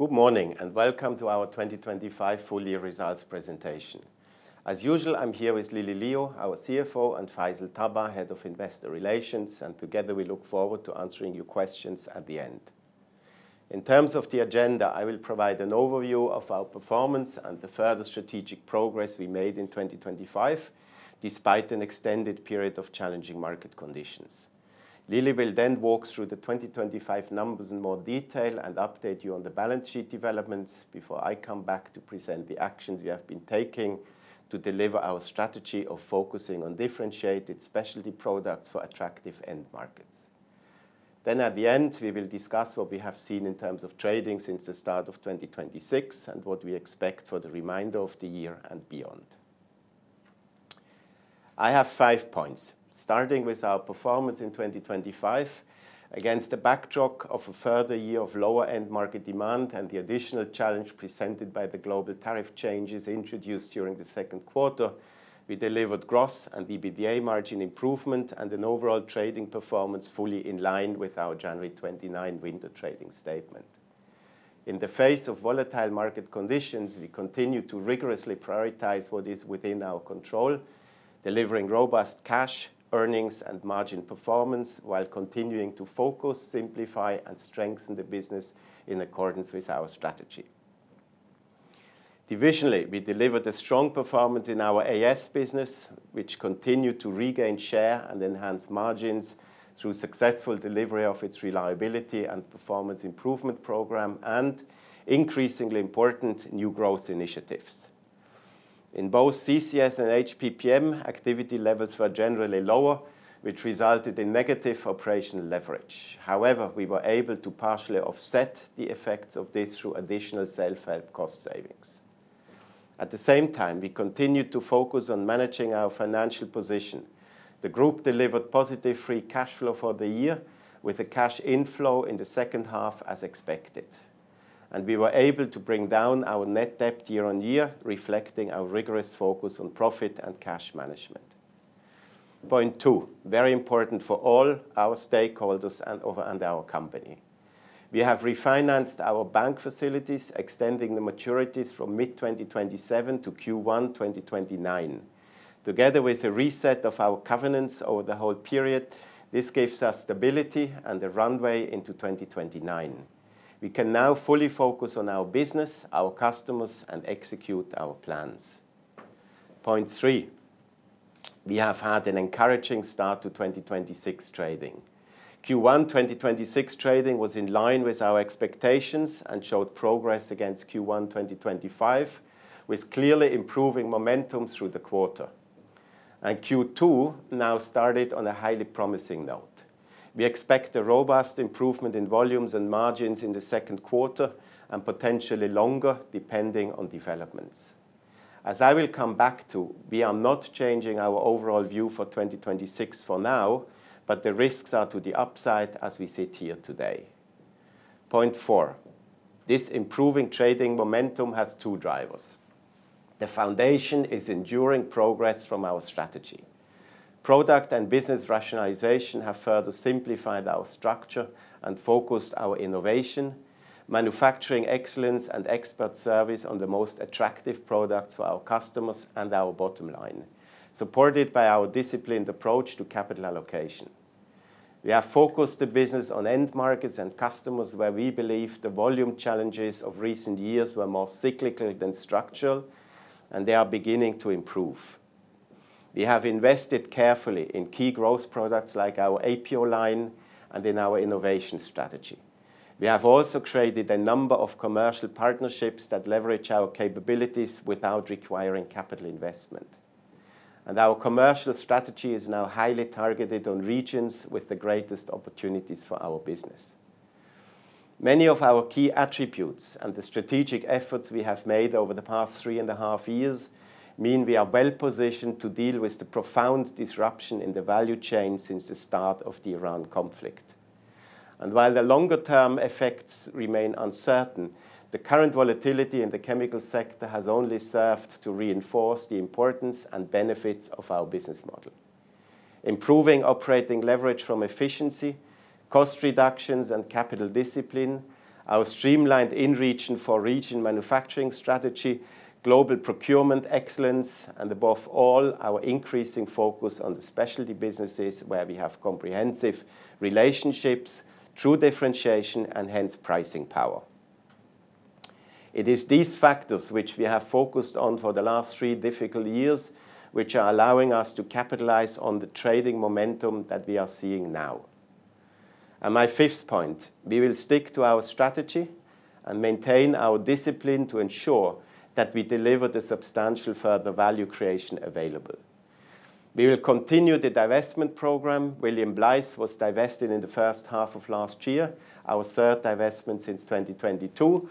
Good morning, and welcome to our 2025 full year results presentation. As usual, I'm here with Lily Liu, our CFO, and Faisal Tabbah, Head of Investor Relations, and together we look forward to answering your questions at the end. In terms of the agenda, I will provide an overview of our performance and the further strategic progress we made in 2025, despite an extended period of challenging market conditions. Lily will walk through the 2025 numbers in more detail and update you on the balance sheet developments before I come back to present the actions we have been taking to deliver our strategy of focusing on differentiated specialty products for attractive end markets. At the end, we will discuss what we have seen in terms of trading since the start of 2026, and what we expect for the remainder of the year and beyond. I have five points, starting with our performance in 2025 against the backdrop of a further year of lower end market demand and the additional challenge presented by the global tariff changes introduced during the second quarter. We delivered gross and EBITDA margin improvement and an overall trading performance fully in line with our January 29 winter trading statement. In the face of volatile market conditions, we continue to rigorously prioritize what is within our control, delivering robust cash, earnings and margin performance while continuing to focus, simplify, and strengthen the business in accordance with our strategy. Divisionally, we delivered a strong performance in our AS business, which continued to regain share and enhance margins through successful delivery of its reliability and performance improvement program and increasingly important new growth initiatives. In both CCS and HPPM, activity levels were generally lower, which resulted in negative operational leverage. We were able to partially offset the effects of this through additional self-help cost savings. At the same time, we continued to focus on managing our financial position. The group delivered positive free cash flow for the year, with a cash inflow in the second half as expected. We were able to bring down our net debt year-on-year, reflecting our rigorous focus on profit and cash management. Point 2, very important for all our stakeholders and our company. We have refinanced our bank facilities, extending the maturities from mid-2027 to Q1 2029. Together with a reset of our covenants over the whole period, this gives us stability and a runway into 2029. We can now fully focus on our business, our customers, and execute our plans. Point 3, we have had an encouraging start to 2026 trading. Q1 2026 trading was in line with our expectations and showed progress against Q1 2025, with clearly improving momentum through the quarter. Q2 now started on a highly promising note. We expect a robust improvement in volumes and margins in the second quarter and potentially longer, depending on developments. As I will come back to, we are not changing our overall view for 2026 for now, but the risks are to the upside as we sit here today. Point 4, this improving trading momentum has two drivers. The foundation is enduring progress from our strategy. Product and business rationalization have further simplified our structure and focused our innovation, manufacturing excellence and expert service on the most attractive products for our customers and our bottom line, supported by our disciplined approach to capital allocation. We have focused the business on end markets and customers where we believe the volume challenges of recent years were more cyclical than structural, and they are beginning to improve. We have invested carefully in key growth products like our APO line and in our innovation strategy. We have also created a number of commercial partnerships that leverage our capabilities without requiring capital investment. Our commercial strategy is now highly targeted on regions with the greatest opportunities for our business. Many of our key attributes and the strategic efforts we have made over the past 3.5 years mean we are well positioned to deal with the profound disruption in the value chain since the start of the Iran conflict. While the longer term effects remain uncertain, the current volatility in the chemical sector has only served to reinforce the importance and benefits of our business model. Improving operating leverage from efficiency, cost reductions and capital discipline, our streamlined in-region for region manufacturing strategy, global procurement excellence, and above all, our increasing focus on the specialty businesses where we have comprehensive relationships, true differentiation, and hence pricing power. It is these factors which we have focused on for the last three difficult years, which are allowing us to capitalize on the trading momentum that we are seeing now. My fifth point, we will stick to our strategy and maintain our discipline to ensure that we deliver the substantial further value creation available. We will continue the divestment program. William Blythe was divested in the first half of last year, our third divestment since 2022.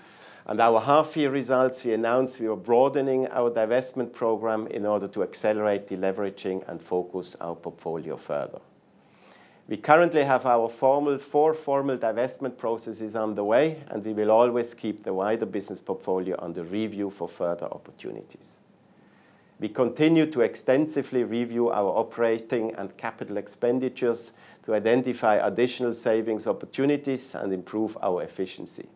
Our half year results, we announced we are broadening our divestment program in order to accelerate deleveraging and focus our portfolio further. We currently have our four formal divestment processes underway, and we will always keep the wider business portfolio under review for further opportunities. We continue to extensively review our operating and capital expenditures to identify additional savings opportunities and improve our efficiency.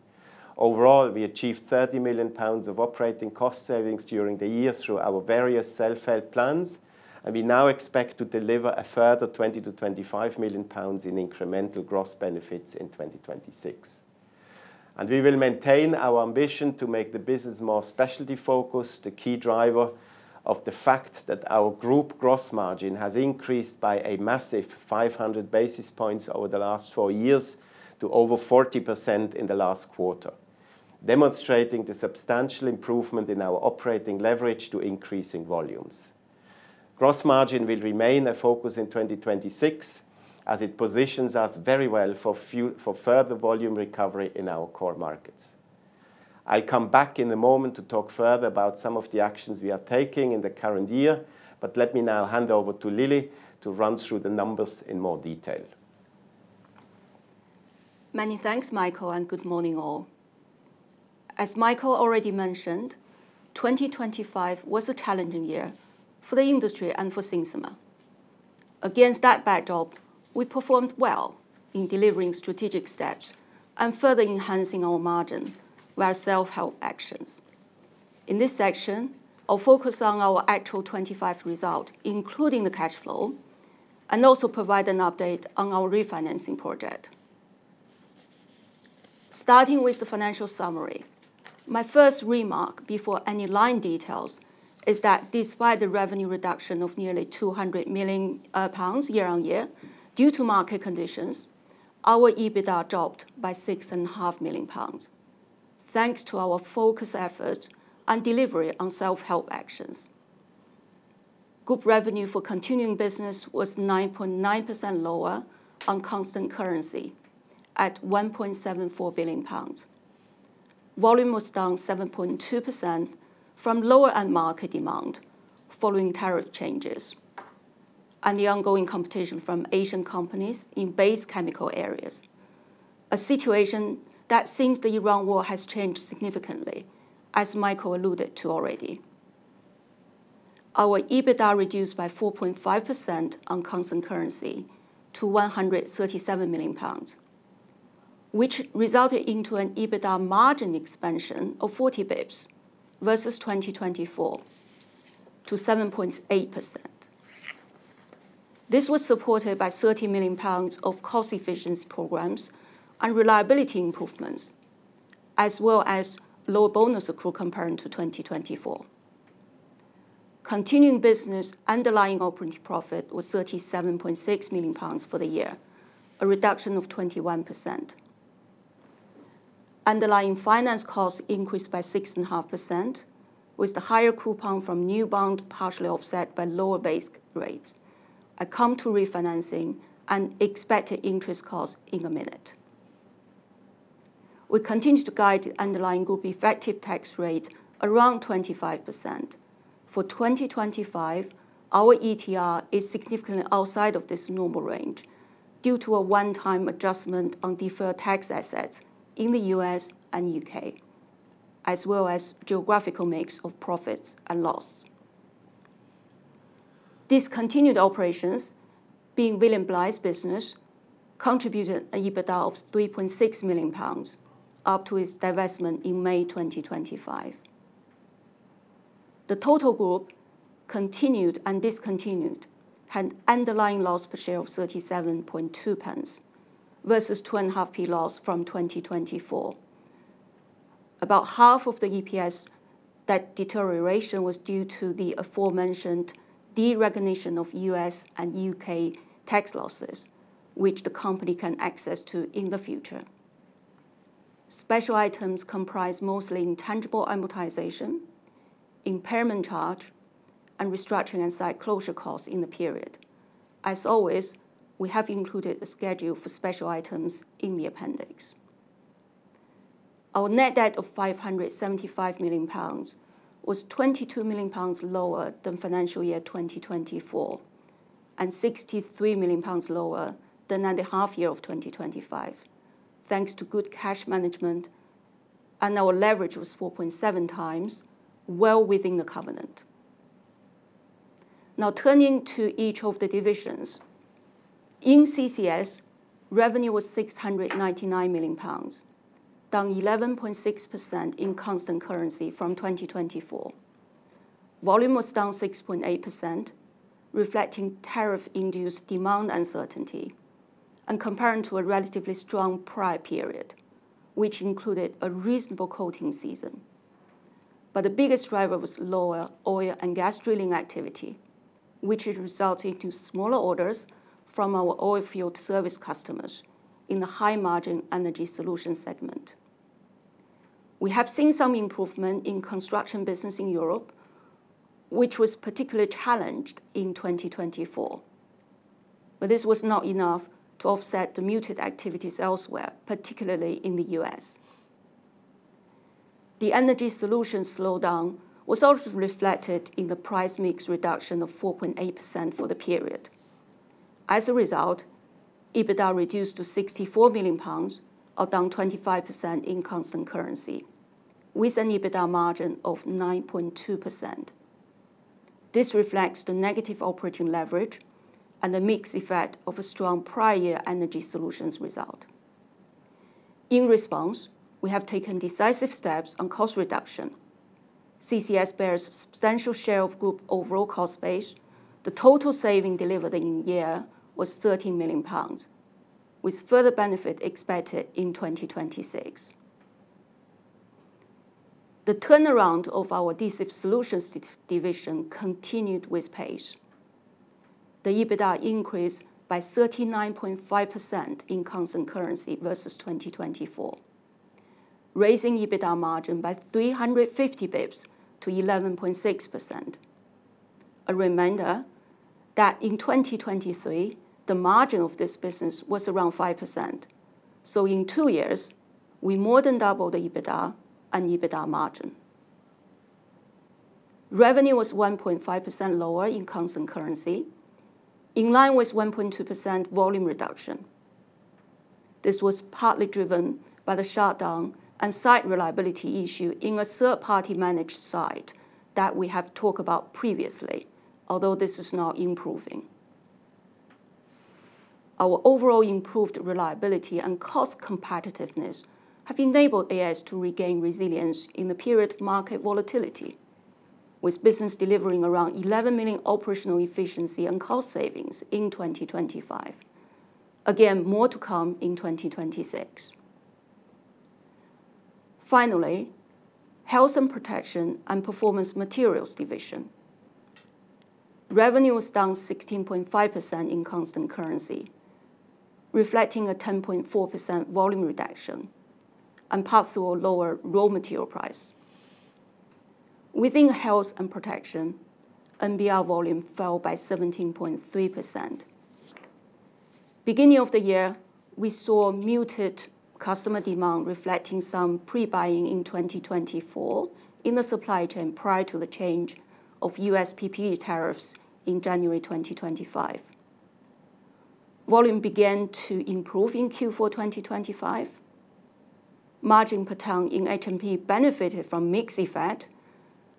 Overall, we achieved 30 million pounds of operating cost savings during the year through our various self-help plans, and we now expect to deliver a further 20 million-25 million pounds in incremental gross benefits in 2026. We will maintain our ambition to make the business more specialty-focused, the key driver of the fact that our group gross margin has increased by a massive 500 basis points over the last four years to over 40% in the last quarter, demonstrating the substantial improvement in our operating leverage to increasing volumes. Gross margin will remain a focus in 2026, as it positions us very well for further volume recovery in our core markets. I come back in a moment to talk further about some of the actions we are taking in the current year, but let me now hand over to Lily to run through the numbers in more detail. Many thanks, Michael, and good morning all. As Michael already mentioned, 2025 was a challenging year for the industry and for Synthomer. Against that backdrop, we performed well in delivering strategic steps and further enhancing our margin via self-help actions. In this section, I'll focus on our actual 2025 result, including the cash flow, and also provide an update on our refinancing project. Starting with the financial summary, my first remark before any line details is that despite the revenue reduction of nearly 200 million pounds year on year due to market conditions, our EBITDA dropped by 6.5 million pounds, thanks to our focus effort and delivery on self-help actions. Group revenue for continuing business was 9.9% lower on constant currency at 1.74 billion pounds. Volume was down 7.2% from lower end market demand following tariff changes and the ongoing competition from Asian companies in base chemical areas, a situation that since the Iran war has changed significantly, as Michael alluded to already. Our EBITDA reduced by 4.5% on constant currency to 137 million pounds, which resulted into an EBITDA margin expansion of 40 basis points versus 2024 to 7.8%. This was supported by 30 million pounds of cost efficiency programs and reliability improvements, as well as lower bonus accrual compared to 2024. Continuing business underlying operating profit was 37.6 million pounds for the year, a reduction of 21%. Underlying finance costs increased by 6.5%, with the higher coupon from new bond partially offset by lower base rates. I come to refinancing and expected interest costs in a minute. We continue to guide underlying group effective tax rate around 25%. For 2025, our ETR is significantly outside of this normal range due to a one-time adjustment on deferred tax assets in the U.S. and U.K., as well as geographical mix of profits and loss. Discontinued operations, being William Blythe's business, contributed an EBITDA of 3.6 million pounds up to its divestment in May 2025. The total group, continued and discontinued, had underlying loss per share of 0.372 versus 0.025 loss from 2024. About half of the EPS, that deterioration was due to the aforementioned derecognition of U.S. and U.K. tax losses, which the company can access to in the future. Special items comprise mostly intangible amortization, impairment charge, and restructuring and site closure costs in the period. As always, we have included a schedule for special items in the appendix. Our net debt of 575 million pounds was 22 million pounds lower than FY 2024, and 63 million pounds lower than the half year of 2025, thanks to good cash management, and our leverage was 4.7x, well within the covenant. Now turning to each of the divisions. In CCS, revenue was 699 million pounds, down 11.6% in constant currency from 2024. Volume was down 6.8%, reflecting tariff-induced demand uncertainty, and comparing to a relatively strong prior period, which included a reasonable coating season. The biggest driver was lower oil and gas drilling activity, which has resulted in smaller orders from our oil field service customers in the high-margin Energy Solutions segment. We have seen some improvement in Coatings & Construction Solutions business in Europe, which was particularly challenged in 2024. This was not enough to offset the muted activities elsewhere, particularly in the U.S. The Energy Solutions slowdown was also reflected in the price mix reduction of 4.8% for the period. As a result, EBITDA reduced to 64 million pounds or down 25% in constant currency with an EBITDA margin of 9.2%. This reflects the negative operating leverage and the mixed effect of a strong prior Energy Solutions result. In response, we have taken decisive steps on cost reduction. CCS bears substantial share of group overall cost base. The total saving delivered in year was 13 million pounds, with further benefit expected in 2026. The turnaround of our Adhesive Solutions division continued with pace. The EBITDA increased by 39.5% in constant currency versus 2024, raising EBITDA margin by 350 basis points to 11.6%. A reminder that in 2023, the margin of this business was around 5%. In two years, we more than doubled the EBITDA and EBITDA margin. Revenue was 1.5% lower in constant currency, in line with 1.2% volume reduction. This was partly driven by the shutdown and site reliability issue in a third-party managed site that we have talked about previously, although this is now improving. Our overall improved reliability and cost competitiveness have enabled AS to regain resilience in the period of market volatility, with business delivering around 11 million operational efficiency and cost savings in 2025. Again, more to come in 2026. Finally, Health & Protection and Performance Materials. Revenue was down 16.5% in constant currency, reflecting a 10.4% volume reduction and partly through a lower raw material price. Within Health & Protection, NBR volume fell by 17.3%. Beginning of the year, we saw muted customer demand reflecting some pre-buying in 2024 in the supply chain prior to the change of U.S. PPE tariffs in January 2025. Volume began to improve in Q4 2025. Margin per ton in H&P benefited from mix effect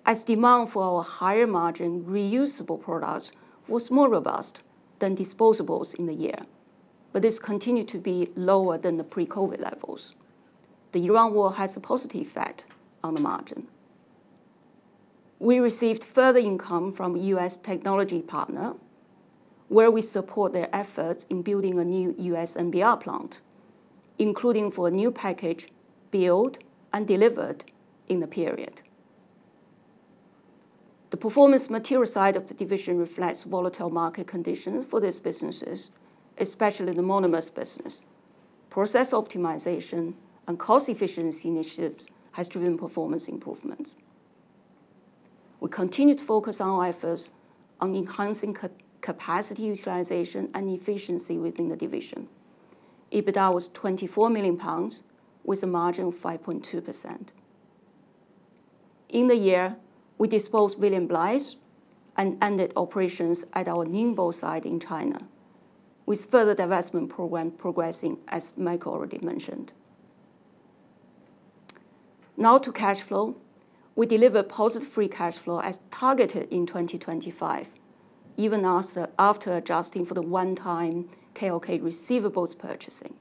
as demand for our higher margin reusable products was more robust than disposables in the year. This continued to be lower than the pre-COVID levels. The Iran war has a positive effect on the margin. We received further income from U.S. technology partner, where we support their efforts in building a new U.S. NBR plant, including for a new package built and delivered in the period. The Performance Materials side of the division reflects volatile market conditions for these businesses, especially the monomers business. Process optimization and cost efficiency initiatives has driven performance improvement. We continue to focus our efforts on enhancing capacity utilization and efficiency within the division. EBITDA was 24 million pounds with a margin of 5.2%. In the year, we disposed William Blythe's and ended operations at our Ningbo site in China with further divestment program progressing, as Michael already mentioned. Now to cash flow. We delivered positive free cash flow as targeted in 2025, even as, after adjusting for the one-time KLK receivables purchasing.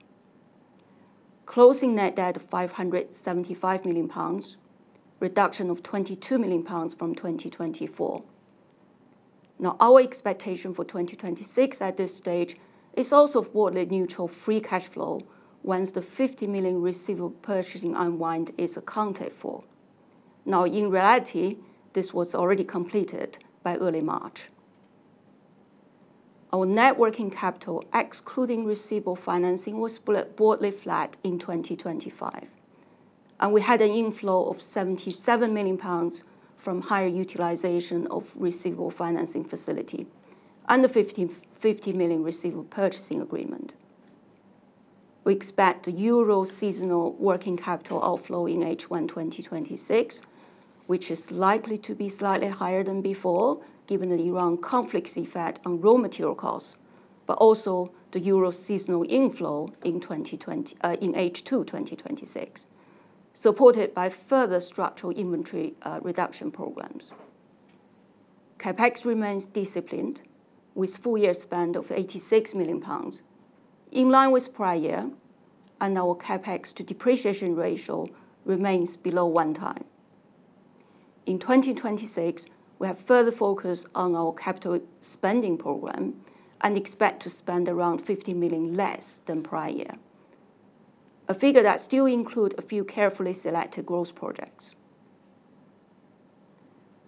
Closing net debt of 575 million pounds, reduction of 22 million pounds from 2024. Now, our expectation for 2026 at this stage is also broadly neutral free cash flow once the 50 million receivable purchasing unwind is accounted for. Now, in reality, this was already completed by early March. Our net working capital, excluding receivable financing, was broadly flat in 2025. We had an inflow of 77 million pounds from higher utilization of receivable financing facility and the 50 million receivable purchasing agreement. We expect the euro seasonal working capital outflow in H1 2026, which is likely to be slightly higher than before, given the Iran conflict's effect on raw material costs, but also the euro seasonal inflow in H2 2026, supported by further structural inventory reduction programs. CapEx remains disciplined with full year spend of 86 million pounds, in line with prior year and our CapEx to depreciation ratio remains below 1x. In 2026, we have further focus on our capital spending program and expect to spend around 50 million less than prior year. A figure that still include a few carefully selected growth projects.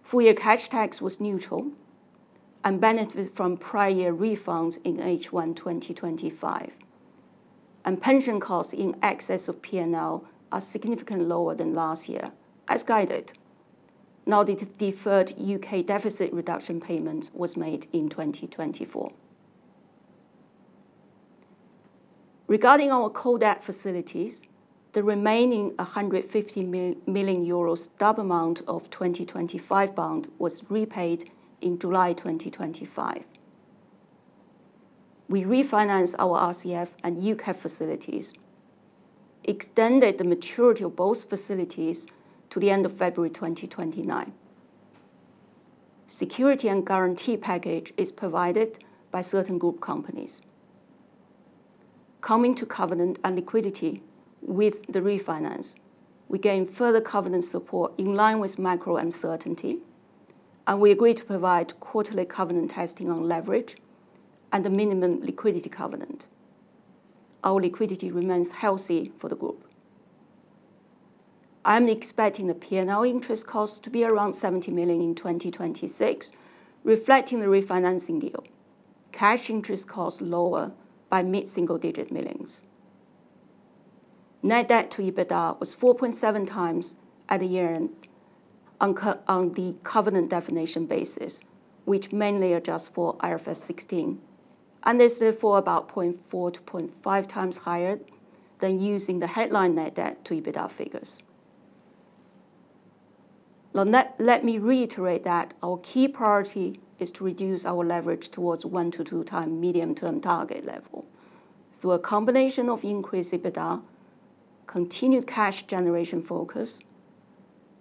Full year cash tax was neutral and benefited from prior year refunds in H1 2025. Pension costs in excess of P&L are significantly lower than last year, as guided. The deferred U.K. deficit reduction payment was made in 2024. Regarding our debt facilities, the remaining 150 million euros stub amount of 2025 bond was repaid in July 2025. We refinanced our RCF and EUCAP facilities, extended the maturity of both facilities to the end of February 2029. Security and guarantee package is provided by certain group companies. Coming to covenant and liquidity with the refinance, we gain further covenant support in line with macro uncertainty, and we agree to provide quarterly covenant testing on leverage and the minimum liquidity covenant. Our liquidity remains healthy for the group. I'm expecting the P&L interest cost to be around 70 million in 2026, reflecting the refinancing deal. Cash interest cost lower by mid-single digit millions. Net debt to EBITDA was 4.7 times at the year-end on the covenant definition basis, which mainly adjusts for IFRS 16. This is for about 0.4 to 0.5 times higher than using the headline net debt to EBITDA figures. Now let me reiterate that our key priority is to reduce our leverage towards 1x to 2x medium-term target level. Through a combination of increased EBITDA, continued cash generation focus,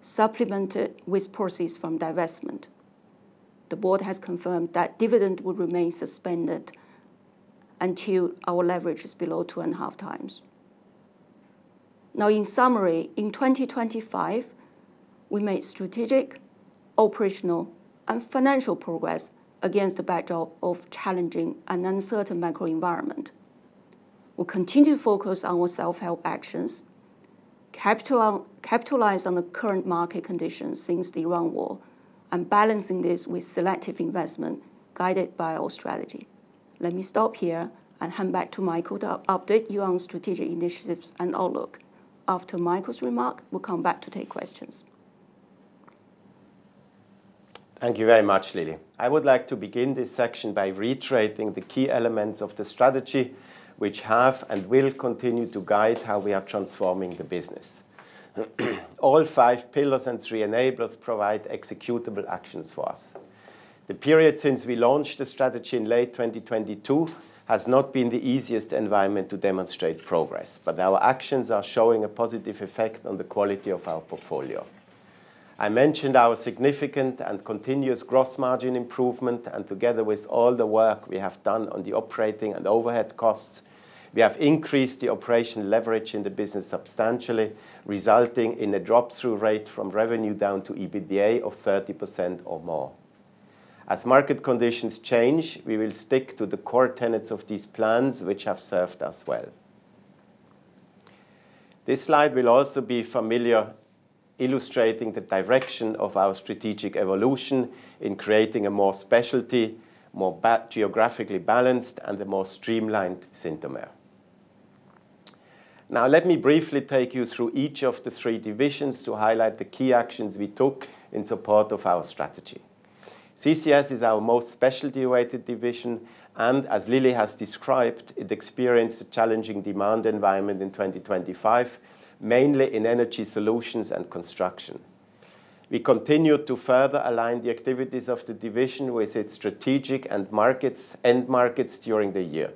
supplemented with proceeds from divestment. The board has confirmed that dividend will remain suspended until our leverage is below 2.5 times. In summary, in 2025, we made strategic, operational, and financial progress against the backdrop of challenging and uncertain macro environment. We'll continue to focus on our self-help actions, capitalize on the current market conditions since the Iran War and balancing this with selective investment guided by our strategy. Let me stop here and hand back to Michael to update you on strategic initiatives and outlook. After Michael's remark, we'll come back to take questions. Thank you very much, Lily. I would like to begin this section by reiterating the key elements of the strategy which have and will continue to guide how we are transforming the business. All five pillars and three enablers provide executable actions for us. The period since we launched the strategy in late 2022 has not been the easiest environment to demonstrate progress, but our actions are showing a positive effect on the quality of our portfolio. I mentioned our significant and continuous gross margin improvement, and together with all the work we have done on the operating and overhead costs, we have increased the operational leverage in the business substantially, resulting in a drop-through rate from revenue down to EBITDA of 30% or more. As market conditions change, we will stick to the core tenets of these plans which have served us well. This slide will also be familiar, illustrating the direction of our strategic evolution in creating a more specialty, more geographically balanced, and a more streamlined Synthomer. Let me briefly take you through each of the three divisions to highlight the key actions we took in support of our strategy. CCS is our most specialty-weighted division, and as Lily has described, it experienced a challenging demand environment in 2025, mainly in Energy Solutions and construction. We continued to further align the activities of the division with its strategic end markets during the year.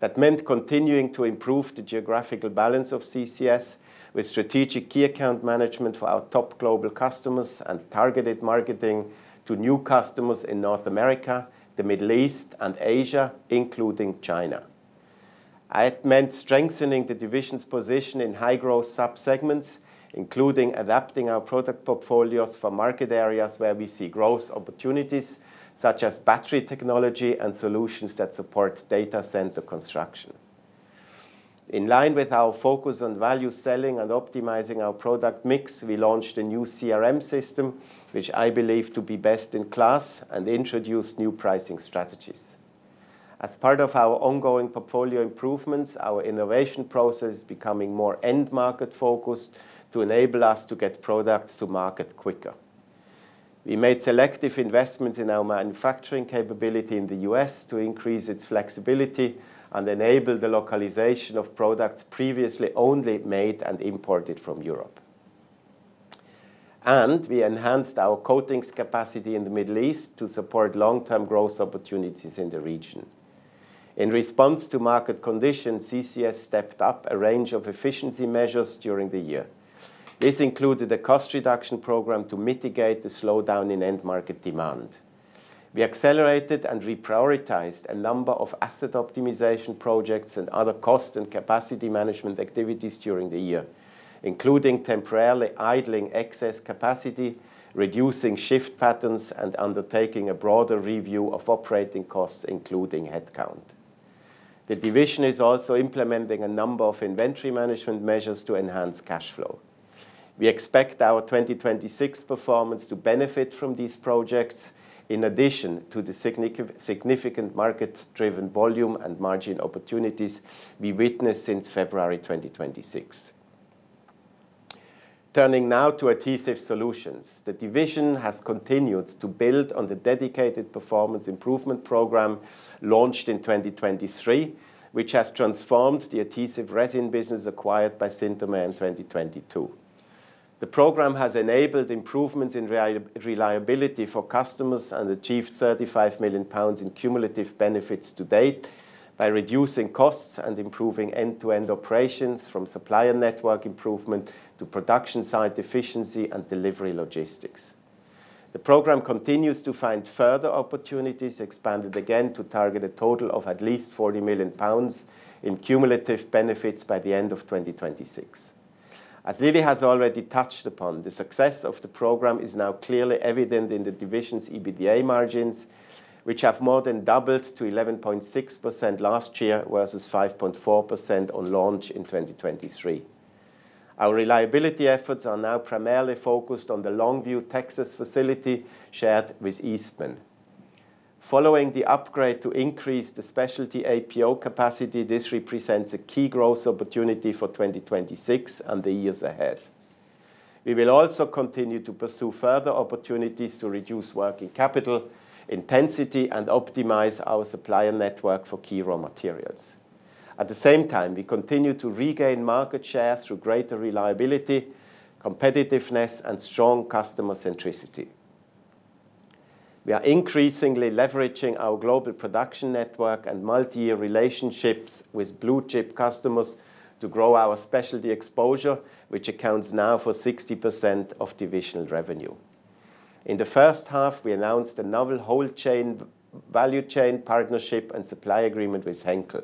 That meant continuing to improve the geographical balance of CCS with strategic key account management for our top global customers and targeted marketing to new customers in North America, the Middle East, and Asia, including China. It meant strengthening the division's position in high-growth subsegments, including adapting our product portfolios for market areas where we see growth opportunities, such as battery technology and solutions that support data center construction. In line with our focus on value selling and optimizing our product mix, we launched a new CRM system, which I believe to be best in class, and introduced new pricing strategies. As part of our ongoing portfolio improvements, our innovation process is becoming more end market focused to enable us to get products to market quicker. We made selective investments in our manufacturing capability in the U.S. to increase its flexibility and enable the localization of products previously only made and imported from Europe. We enhanced our coatings capacity in the Middle East to support long-term growth opportunities in the region. In response to market conditions, CCS stepped up a range of efficiency measures during the year. This included a cost reduction program to mitigate the slowdown in end market demand. We accelerated and reprioritized a number of asset optimization projects and other cost and capacity management activities during the year, including temporarily idling excess capacity, reducing shift patterns, and undertaking a broader review of operating costs, including headcount. The division is also implementing a number of inventory management measures to enhance cash flow. We expect our 2026 performance to benefit from these projects in addition to the significant market-driven volume and margin opportunities we witnessed since February 2026. Turning now to Adhesive Solutions. The division has continued to build on the dedicated performance improvement program launched in 2023, which has transformed the adhesive resin business acquired by Synthomer in 2022. The program has enabled improvements in reliability for customers and achieved 35 million pounds in cumulative benefits to date by reducing costs and improving end-to-end operations from supplier network improvement to production site efficiency and delivery logistics. The program continues to find further opportunities, expanded again to target a total of at least 40 million pounds in cumulative benefits by the end of 2026. As Lily has already touched upon, the success of the program is now clearly evident in the division's EBITDA margins, which have more than doubled to 11.6% last year, versus 5.4% on launch in 2023. Our reliability efforts are now primarily focused on the Longview, Texas facility shared with Eastman. Following the upgrade to increase the specialty APO capacity, this represents a key growth opportunity for 2026 and the years ahead. We will also continue to pursue further opportunities to reduce working capital intensity and optimize our supplier network for key raw materials. At the same time, we continue to regain market share through greater reliability, competitiveness, and strong customer centricity. We are increasingly leveraging our global production network and multi-year relationships with blue chip customers to grow our specialty exposure, which accounts now for 60% of divisional revenue. In the first half, we announced a novel value chain partnership and supply agreement with Henkel.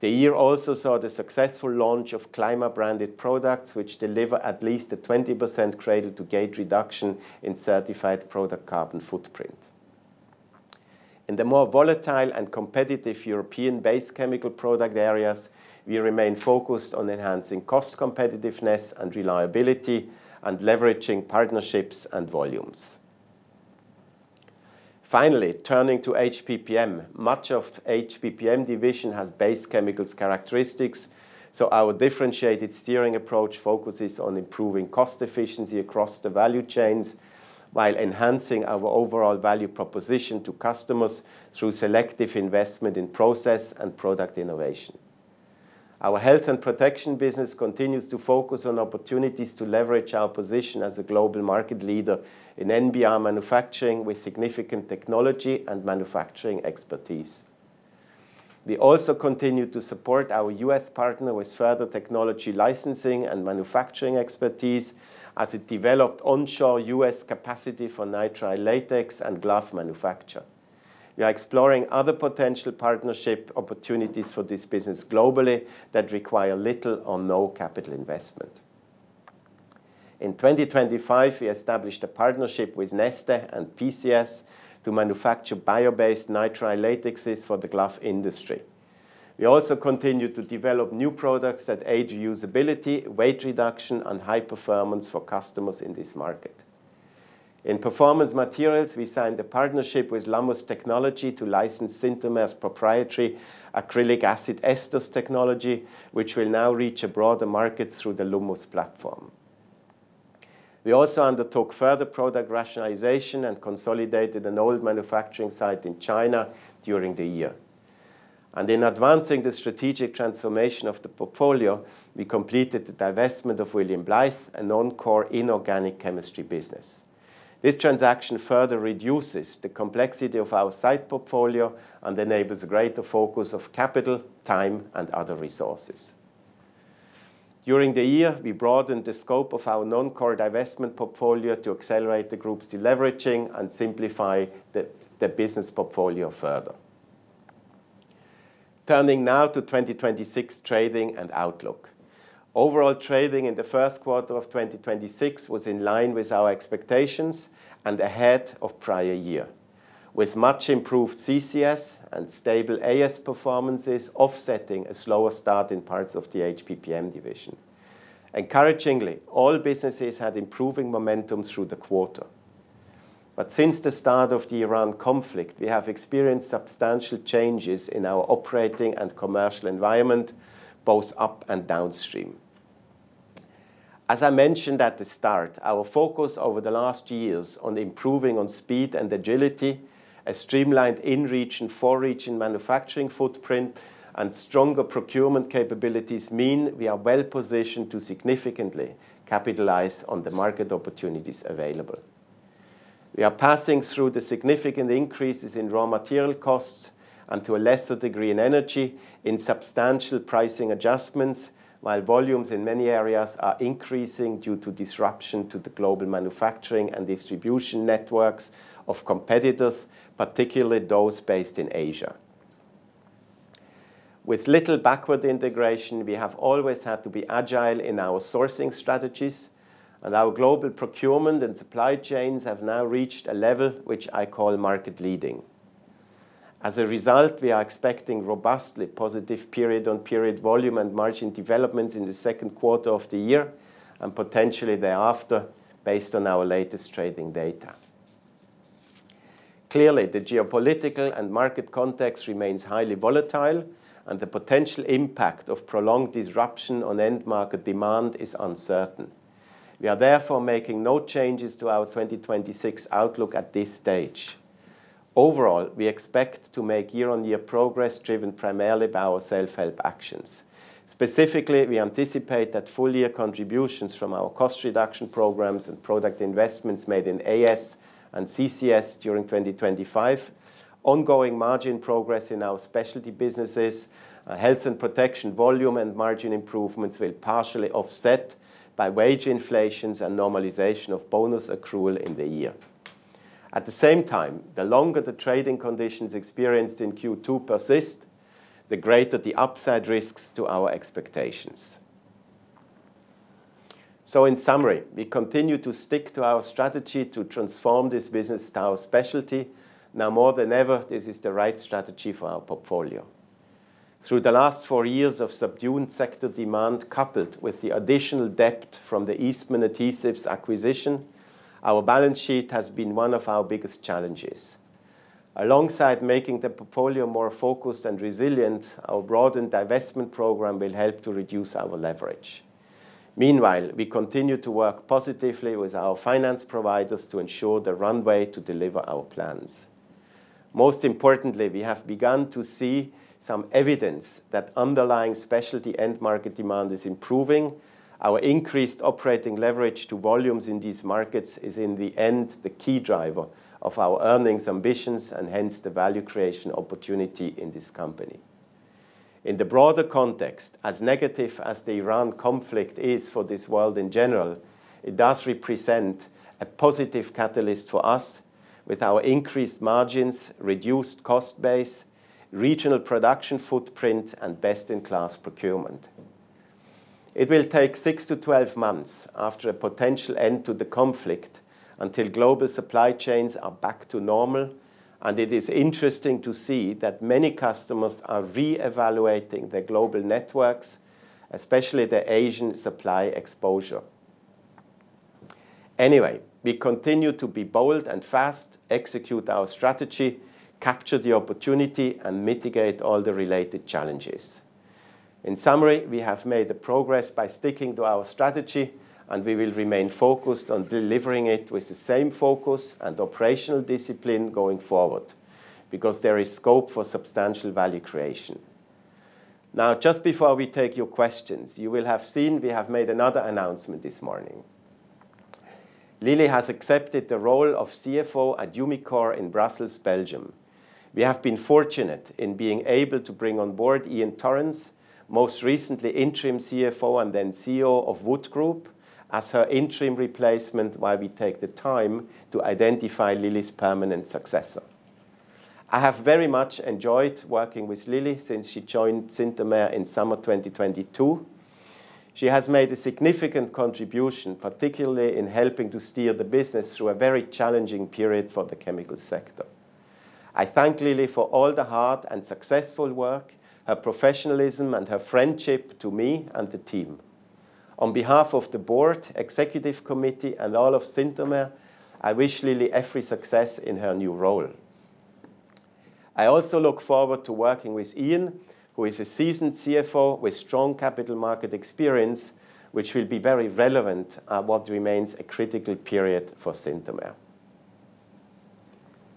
The year also saw the successful launch of CLIMA branded products, which deliver at least a 20% cradle-to-gate reduction in certified product carbon footprint. In the more volatile and competitive European-based chemical product areas, we remain focused on enhancing cost competitiveness and reliability and leveraging partnerships and volumes. Finally, turning to HPPM. Much of HPPM division has base chemicals characteristics, our differentiated steering approach focuses on improving cost efficiency across the value chains while enhancing our overall value proposition to customers through selective investment in process and product innovation. Our Health & Protection business continues to focus on opportunities to leverage our position as a global market leader in NBR manufacturing with significant technology and manufacturing expertise. We also continue to support our U.S. partner with further technology licensing and manufacturing expertise as it developed onshore U.S. capacity for nitrile latex and glove manufacture. We are exploring other potential partnership opportunities for this business globally that require little or no capital investment. In 2025, we established a partnership with Neste and PCS to manufacture bio-based nitrile latexes for the glove industry. We also continue to develop new products that aid usability, weight reduction, and high performance for customers in this market. In Performance Materials, we signed a partnership with Lummus technology to license Synthomer's proprietary acrylic acid esters technology, which will now reach a broader market through the Lummus platform. We also undertook further product rationalization and consolidated an old manufacturing site in China during the year. In advancing the strategic transformation of the portfolio, we completed the divestment of William Blythe, a non-core inorganic chemistry business. This transaction further reduces the complexity of our site portfolio and enables a greater focus of capital, time, and other resources. During the year, we broadened the scope of our non-core divestment portfolio to accelerate the group's deleveraging and simplify the business portfolio further. Turning now to 2026 trading and outlook. Overall trading in the first quarter of 2026 was in line with our expectations and ahead of prior year, with much improved CCS and stable AS performances offsetting a slower start in parts of the HPPM division. Encouragingly, all businesses had improving momentum through the quarter. Since the start of the Iran conflict, we have experienced substantial changes in our operating and commercial environment, both up and downstream. As I mentioned at the start, our focus over the last years on improving on speed and agility, a streamlined in-region, for-region manufacturing footprint, and stronger procurement capabilities mean we are well positioned to significantly capitalize on the market opportunities available. We are passing through the significant increases in raw material costs and to a lesser degree in energy in substantial pricing adjustments, while volumes in many areas are increasing due to disruption to the global manufacturing and distribution networks of competitors, particularly those based in Asia. With little backward integration, we have always had to be agile in our sourcing strategies, and our global procurement and supply chains have now reached a level which I call market leading. As a result, we are expecting robustly positive period-on-period volume and margin developments in the second quarter of the year and potentially thereafter based on our latest trading data. Clearly, the geopolitical and market context remains highly volatile, and the potential impact of prolonged disruption on end market demand is uncertain. We are therefore making no changes to our 2026 outlook at this stage. Overall, we expect to make year-on-year progress driven primarily by our self-help actions. Specifically, we anticipate that full year contributions from our cost reduction programs and product investments made in AS and CCS during 2025, ongoing margin progress in our specialty businesses, Health & Protection volume and margin improvements will partially offset by wage inflations and normalization of bonus accrual in the year. At the same time, the longer the trading conditions experienced in Q2 persist, the greater the upside risks to our expectations. In summary, we continue to stick to our strategy to transform this business to our specialty. Now, more than ever, this is the right strategy for our portfolio. Through the last four years of subdued sector demand, coupled with the additional debt from the Eastman Adhesives acquisition, our balance sheet has been one of our biggest challenges. Alongside making the portfolio more focused and resilient, our broadened divestment program will help to reduce our leverage. Meanwhile, we continue to work positively with our finance providers to ensure the runway to deliver our plans. Most importantly, we have begun to see some evidence that underlying specialty end market demand is improving. Our increased operating leverage to volumes in these markets is, in the end, the key driver of our earnings ambitions and hence the value creation opportunity in this company. In the broader context, as negative as the Iran conflict is for this world in general, it does represent a positive catalyst for us with our increased margins, reduced cost base, regional production footprint, and best-in-class procurement. It will take six to 12 months after a potential end to the conflict until global supply chains are back to normal, and it is interesting to see that many customers are reevaluating their global networks, especially their Asian supply exposure. We continue to be bold and fast, execute our strategy, capture the opportunity, and mitigate all the related challenges. In summary, we have made a progress by sticking to our strategy, and we will remain focused on delivering it with the same focus and operational discipline going forward because there is scope for substantial value creation. Now, just before we take your questions, you will have seen we have made another announcement this morning. Lily Liu has accepted the role of CFO at Umicore in Brussels, Belgium. We have been fortunate in being able to bring on board Iain Torrens, most recently interim CFO and then CEO of Wood Group, as her interim replacement while we take the time to identify Lily's permanent successor. I have very much enjoyed working with Lily since she joined Synthomer in summer 2022. She has made a significant contribution, particularly in helping to steer the business through a very challenging period for the chemical sector. I thank Lily for all the hard and successful work, her professionalism, and her friendship to me and the team. On behalf of the board, executive committee, and all of Synthomer, I wish Lily every success in her new role. I also look forward to working with Iain, who is a seasoned CFO with strong capital market experience, which will be very relevant at what remains a critical period for Synthomer.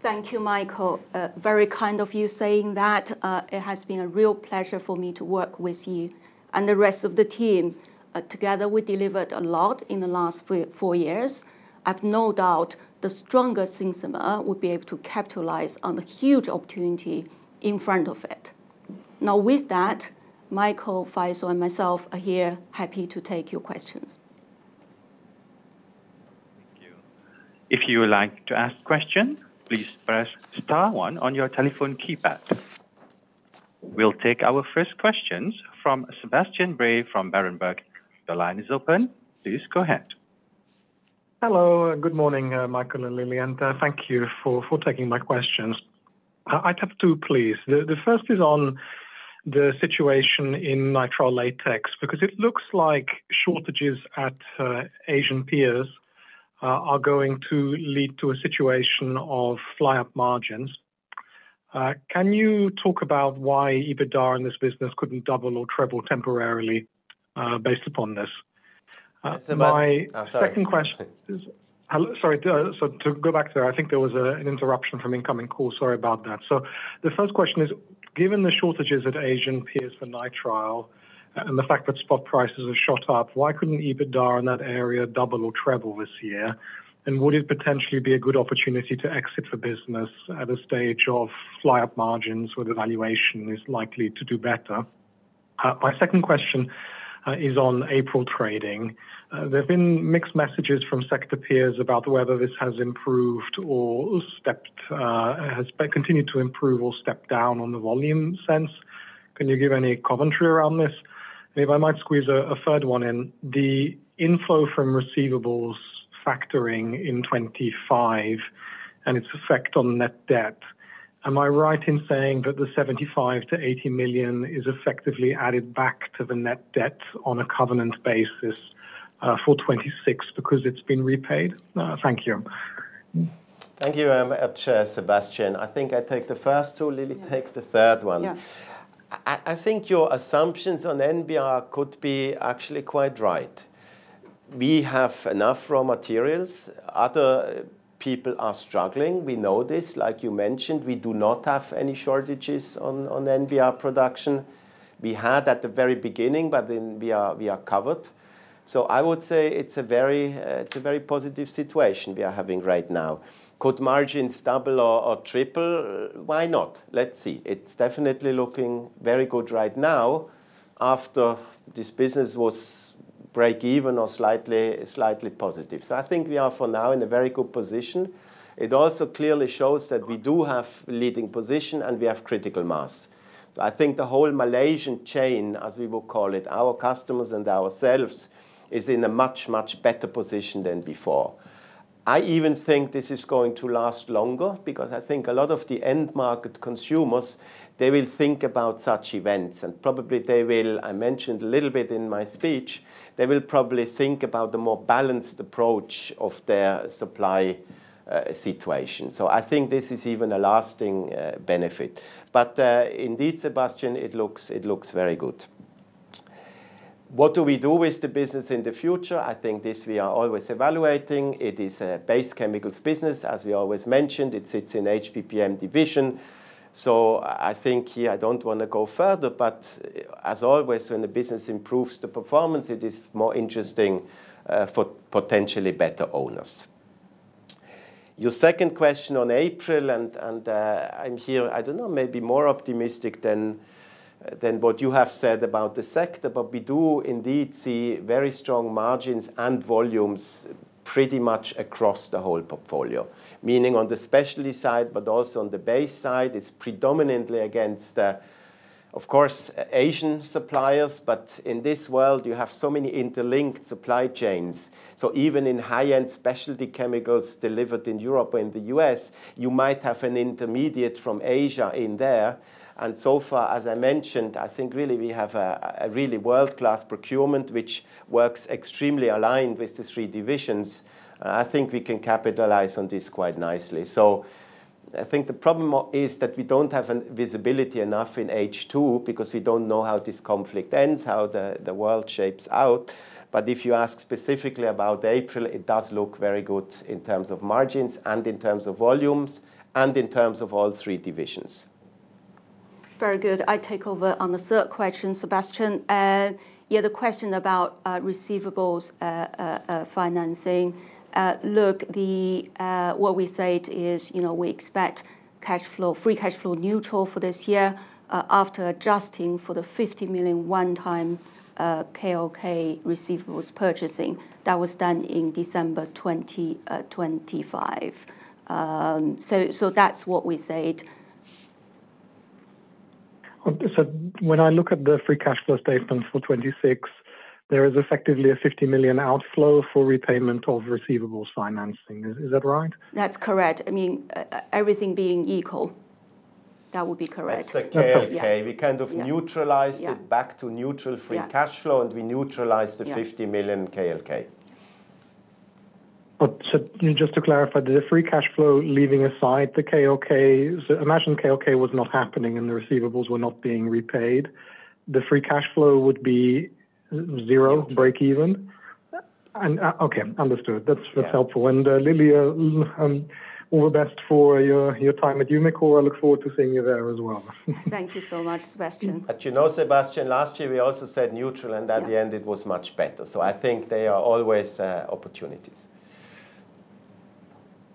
Thank you, Michael. Very kind of you saying that. It has been a real pleasure for me to work with you and the rest of the team. Together we delivered a lot in the last four years. I've no doubt the stronger Synthomer will be able to capitalize on the huge opportunity in front of it. Now, with that, Michael, Faisal, and myself are here happy to take your questions. Thank you. If you would like to ask questions, please press star one on your telephone keypad. We'll take our first questions from Sebastian Bray from Berenberg. Hello, good morning, Michael and Lily, thank you for taking my questions. I'd have two, please. The first is on the situation in nitrile latex, because it looks like shortages at Asian peers are going to lead to a situation of fly up margins. Can you talk about why EBITDA in this business couldn't double or treble temporarily based upon this? Sebas- My- Sorry. Hello, sorry. To go back there, I think there was an interruption from incoming call. Sorry about that. The first question is, given the shortages at Asian peers for nitrile and the fact that spot prices have shot up, why couldn't EBITDA in that area double or treble this year? Would it potentially be a good opportunity to exit the business at a stage of fly up margins where the valuation is likely to do better? My second question is on April trading. There've been mixed messages from sector peers about whether this has improved or continued to improve or stepped down on the volume sense. Can you give any commentary around this? If I might squeeze a third one in. The inflow from receivables factoring in 2025 and its effect on net debt. Am I right in saying that the 75 million-80 million is effectively added back to the net debt on a covenant basis for 2026 because it's been repaid? Thank you. Thank you, Chair Sebastian. I think I take the first two. Lily takes the third one. Yeah. I think your assumptions on NBR could be actually quite right. We have enough raw materials. Other people are struggling. We know this. Like you mentioned, we do not have any shortages on NBR production. We had at the very beginning, we are covered. I would say it's a very positive situation we are having right now. Could margins double or triple? Why not? Let's see. It's definitely looking very good right now after this business was break even or slightly positive. I think we are, for now, in a very good position. It also clearly shows that we do have leading position and we have critical mass. I think the whole Malaysian chain, as we will call it, our customers and ourselves, is in a much better position than before. I even think this is going to last longer because I think a lot of the end market consumers, they will think about such events. I mentioned a little bit in my speech, they will probably think about the more balanced approach of their supply situation. I think this is even a lasting benefit. Indeed, Sebastian, it looks very good. What do we do with the business in the future? I think this we are always evaluating. It is a base chemicals business, as we always mentioned. It sits in HPPM division. I think here I don't wanna go further, but as always, when the business improves the performance, it is more interesting for potentially better owners. Your second question on April, I don't know, maybe more optimistic than what you have said about the sector. We do indeed see very strong margins and volumes pretty much across the whole portfolio. Meaning on the specialty side, but also on the base side, it's predominantly against, of course, Asian suppliers. In this world, you have so many interlinked supply chains. Even in high-end specialty chemicals delivered in Europe or in the U.S., you might have an intermediate from Asia in there. So far, as I mentioned, I think really we have a really world-class procurement, which works extremely aligned with the three divisions. I think we can capitalize on this quite nicely. I think the problem is that we don't have visibility enough in H2 because we don't know how this conflict ends, how the world shapes out. If you ask specifically about April, it does look very good in terms of margins and in terms of volumes and in terms of all three divisions. Very good. I take over on the third question, Sebastian. Yeah, the question about receivables financing. Look, what we said is, you know, we expect free cash flow neutral for this year, after adjusting for the 50 million one-time KLK receivables purchasing that was done in December 2025. That's what we said. When I look at the free cash flow statements for 2026, there is effectively a 50 million outflow for repayment of receivables financing. Is that right? That's correct. I mean, everything being equal, that would be correct. It's the KLK. Yeah. We kind of neutralized- Yeah It back to neutral. Yeah... Cash flow, and we neutralized-- Yeah 50 million KLK. Just to clarify, the free cash flow, leaving aside the KLK, so imagine KLK was not happening and the receivables were not being repaid, the free cash flow would be zero, break even? Yeah. Okay. Understood. That's helpful. Lily, all the best for your time at Umicore. I look forward to seeing you there as well. Thank you so much, Sebastian. You know, Sebastian, last year we also said neutral, and at the end it was much better. I think there are always opportunities.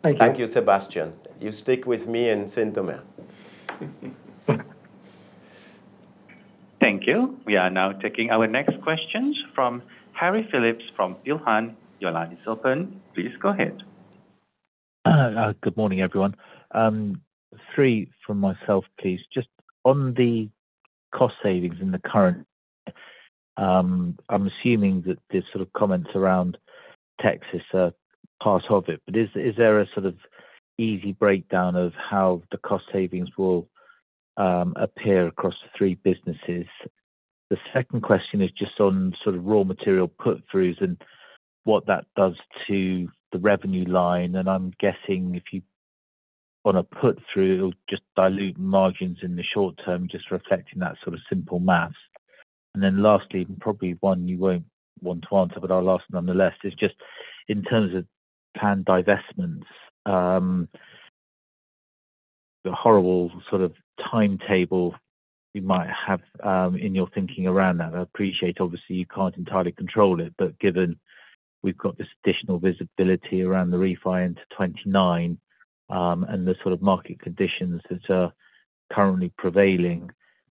Thank you. Thank you, Sebastian. You stick with me and Synthomer. Thank you. We are now taking our next questions from Harry Philips from Peel Hunt. Your line is open. Please go ahead. Good morning, everyone. Three from myself, please. Just on the cost savings in the current, I'm assuming that the sort of comments around tax is a part of it, but is there a sort of easy breakdown of how the cost savings will appear across the three businesses? The second question is just on sort of raw material put-throughs and what that does to the revenue line, and I'm guessing if you wanna put through, it'll just dilute margins in the short term, just reflecting that sort of simple math. Lastly, probably one you won't want to answer, but I'll ask nonetheless, is just in terms of planned divestments, the horrible sort of timetable you might have in your thinking around that. I appreciate obviously you can't entirely control it, but given we've got this additional visibility around the refi into 2029, and the sort of market conditions that are currently prevailing,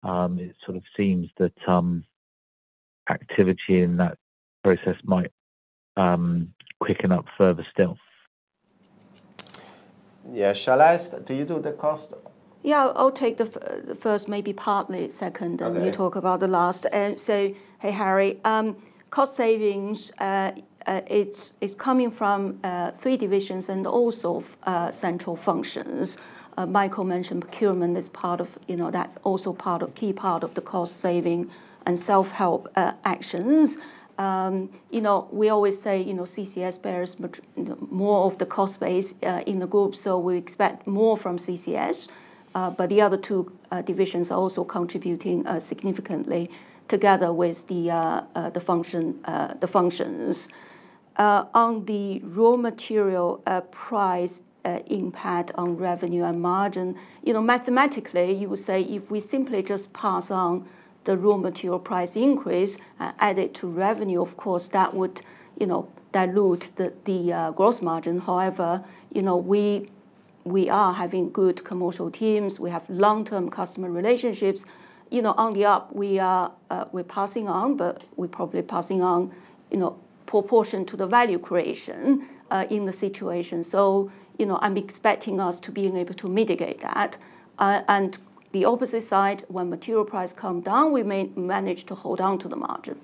it sort of seems that activity in that process might quicken up further still. Yeah. Shall I ask? Do you do the cost? Yeah, I'll take the first, maybe partly second. And you talk about the last. Hey, Harry, cost savings, it's coming from three divisions and also central functions. Michael mentioned procurement as part of, you know, that's also part of, key part of the cost saving and self-help actions. You know, we always say, you know, CCS bears more of the cost base in the group, so we expect more from CCS. But the other two divisions are also contributing significantly together with the functions. On the raw material price impact on revenue and margin, you know, mathematically, you would say if we simply just pass on the raw material price increase, add it to revenue, of course, that would, you know, dilute the gross margin. You know, we are having good commercial teams. We have long-term customer relationships. You know, on the up, we are, we're passing on, we're probably passing on, you know, proportion to the value creation in the situation. You know, I'm expecting us to being able to mitigate that. The opposite side, when material price come down, we may manage to hold on to the margin.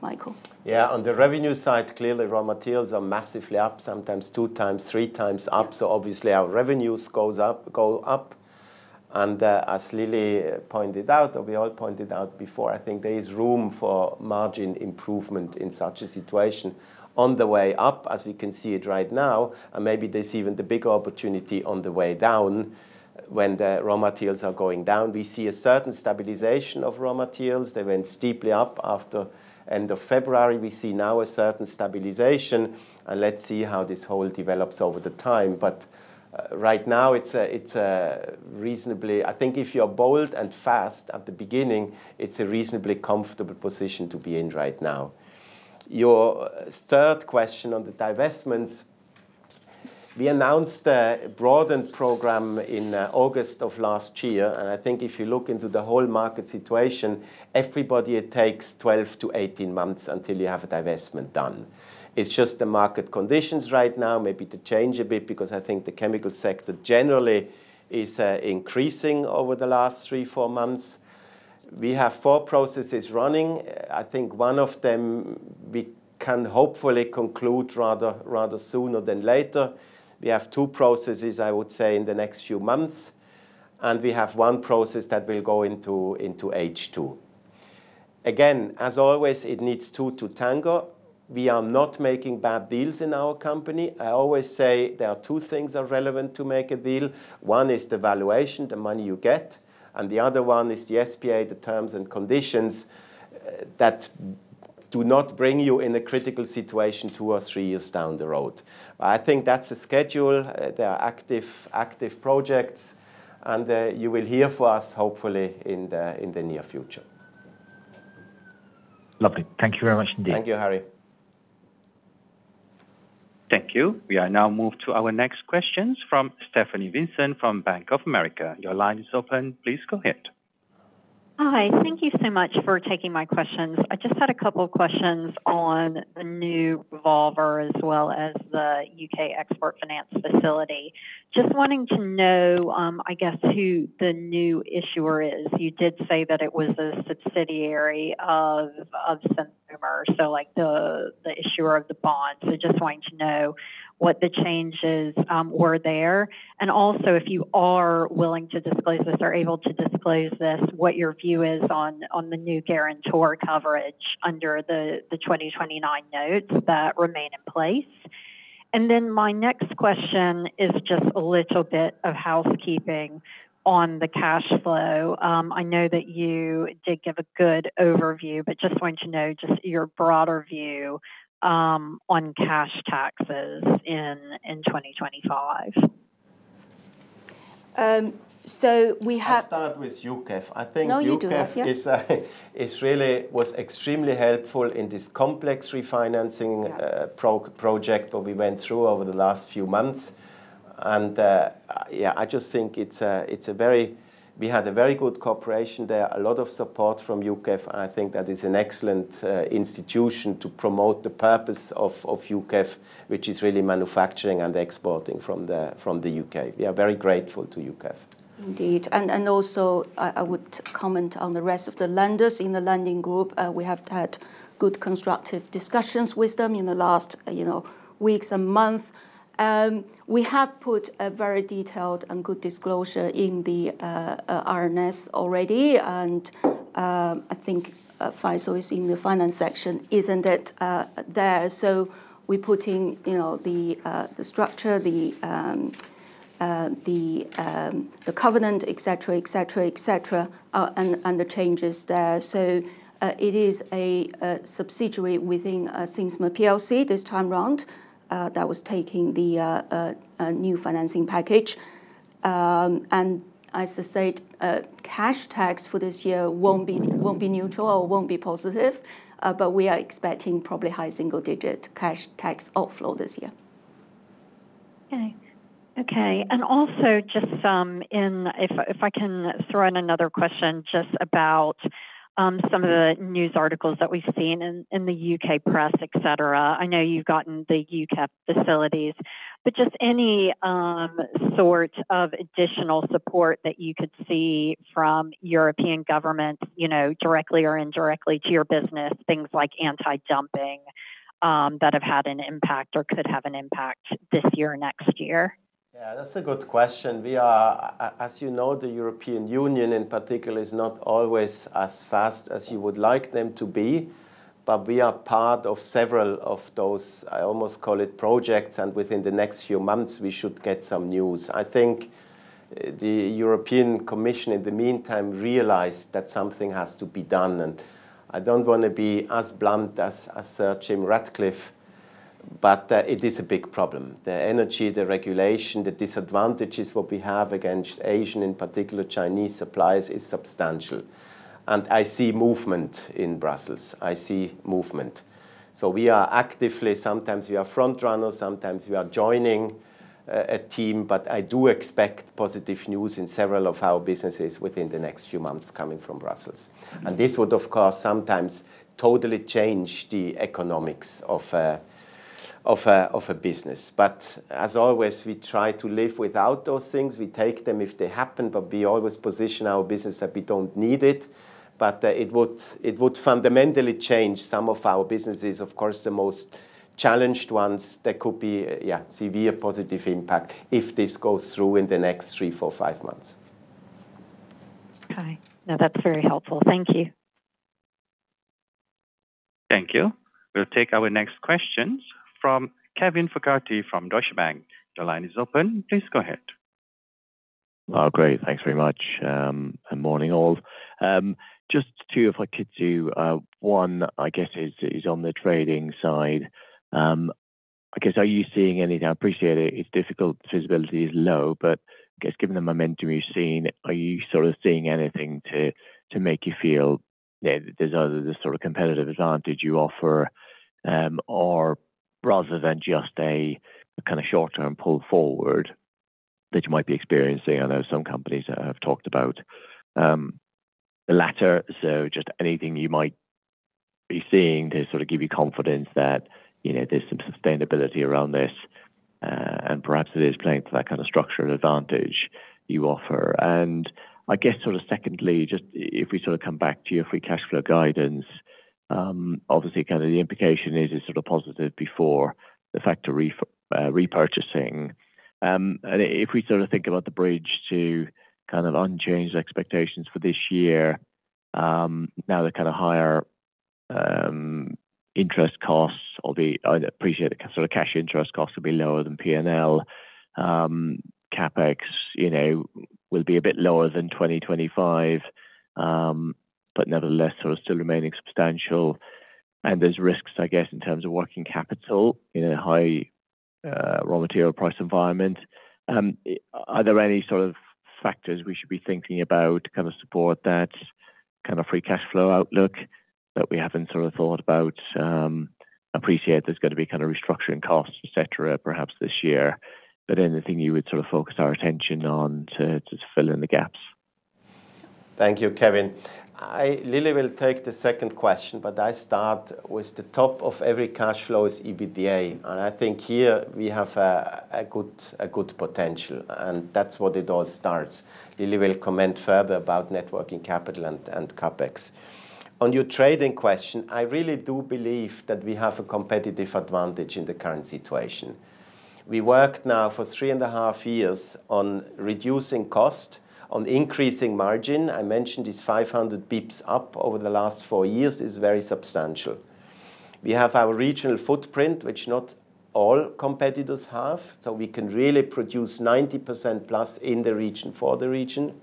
Michael? Yeah. On the revenue side, clearly raw materials are massively up, sometimes 2x, 3x up. Obviously our revenues go up. As Lily pointed out, or we all pointed out before, I think there is room for margin improvement in such a situation. On the way up, as you can see it right now, and maybe there's even the bigger opportunity on the way down, when the raw materials are going down. We see a certain stabilization of raw materials. They went steeply up after end of February. We see now a certain stabilization, and let's see how this whole develops over the time. Right now, I think if you're bold and fast at the beginning, it's a reasonably comfortable position to be in right now. Your third question on the divestments, we announced a broadened program in August of last year. I think if you look into the whole market situation, everybody takes 12 to 18 months until you have a divestment done. It's just the market conditions right now maybe to change a bit, because I think the chemical sector generally is increasing over the last three, four months. We have four processes running. I think one of them we can hopefully conclude rather sooner than later. We have two processes, I would say, in the next few months, and we have one process that will go into H2. Again, as always, it needs two to tango. We are not making bad deals in our company. I always say there are two things are relevant to make a deal. One is the valuation, the money you get, and the other one is the SPA, the terms and conditions that do not bring you in a critical situation two or three years down the road. I think that's the schedule. There are active projects, and you will hear for us hopefully in the near future. Lovely. Thank you very much indeed. Thank you, Harry. Thank you. We are now moved to our next questions from Stephanie Vincent from Bank of America. Your line is open. Please go ahead. Hi. Thank you so much for taking my questions. I just had a couple questions on the new revolver as well as the U.K. Export Finance facility. Just wanting to know, I guess who the new issuer is. You did say that it was a subsidiary of Synthomer, so, like, the issuer of the bond. Just wanting to know what the changes were there. Also, if you are willing to disclose this or able to disclose this, what your view is on the new guarantor coverage under the 2029 notes that remain in place. My next question is just a little bit of housekeeping on the cash flow. I know that you did give a good overview, but just want to know just your broader view on cash taxes in 2025. Um, so we have- I'll start with UKEF. No, you do have. Yeah. ...Is really was extremely helpful in this complex refinancing project that we went through over the last few months. We had a very good cooperation there, a lot of support from UKEF, and I think that is an excellent institution to promote the purpose of UKEF, which is really manufacturing and exporting from the U.K. We are very grateful to UKEF. Indeed. Also I would comment on the rest of the lenders in the lending group. We have had good constructive discussions with them in the last, you know, weeks and month. We have put a very detailed and good disclosure in the RNS already, I think Faisal always in the finance section, isn't it, there. We put in, you know, the structure, the covenant, et cetera, et cetera, et cetera, and the changes there. It is a subsidiary within Synthomer PLC this time around that was taking the new financing package. As I said, cash tax for this year won't be neutral or won't be positive, but we are expecting probably high single digit cash tax outflow this year. Okay. Okay. Also just, if I can throw in another question just about some of the news articles that we've seen in the U.K. press, et cetera. I know you've gotten the U.K. facilities. Just any sort of additional support that you could see from European government, you know, directly or indirectly to your business, things like anti-dumping that have had an impact or could have an impact this year or next year? Yeah, that's a good question. We are, as you know, the European Union in particular is not always as fast as you would like them to be. We are part of several of those, I almost call it projects, and within the next few months we should get some news. I think the European Commission in the meantime realized that something has to be done. I don't wanna be as blunt as Jim Ratcliffe, it is a big problem. The energy, the regulation, the disadvantages what we have against Asian, in particular Chinese suppliers, is substantial. I see movement in Brussels. I see movement. We are actively. Sometimes we are front runners, sometimes we are joining a team. I do expect positive news in several of our businesses within the next few months coming from Brussels. This would, of course, sometimes totally change the economics of a business. As always, we try to live without those things. We take them if they happen, but we always position our business that we don't need it. It would fundamentally change some of our businesses. Of course, the most challenged ones that could be severe positive impact if this goes through in the next three, four, five months. Okay. No, that's very helpful. Thank you. Thank you. We'll take our next questions from Kevin Fogarty from Deutsche Bank. The line is open. Please go ahead. Oh, great. Thanks very much. Morning all. Just two if I could do. One, I guess, is on the trading side. I guess, are you seeing anything I appreciate it's difficult, visibility is low, but I guess given the momentum you've seen, are you sort of seeing anything to make you feel there's a sort of competitive advantage you offer, or rather than just a kinda short-term pull forward that you might be experiencing? I know some companies have talked about the latter. Just anything you might be seeing to sort of give you confidence that, you know, there's some sustainability around this, and perhaps it is playing to that kind of structural advantage you offer. I guess secondly, just if we come back to your free cash flow guidance, obviously the implication is it's positive before the factory repurchasing. If we think about the bridge to unchanged expectations for this year, now the higher interest costs, or the I appreciate the cash interest costs will be lower than P&L. CapEx will be a bit lower than 2025, but nevertheless still remaining substantial. There's risks in terms of working capital in a high raw material price environment. Are there any factors we should be thinking about to support that free cash flow outlook that we haven't thought about? Appreciate there's gonna be kind of restructuring costs, et cetera, perhaps this year, anything you would sort of focus our attention on to fill in the gaps? Thank you, Kevin. Lily will take the second question. I start with the top of every cash flow is EBITDA, and I think here we have a good potential, and that's what it all starts. Lily will comment further about net working capital and CapEx. On your trading question, I really do believe that we have a competitive advantage in the current situation. We worked now for 3.5 years on reducing cost, on increasing margin. I mentioned this 500 basis points up over the last four years is very substantial. We have our regional footprint, which not all competitors have. We can really produce 90%+ in the region for the region.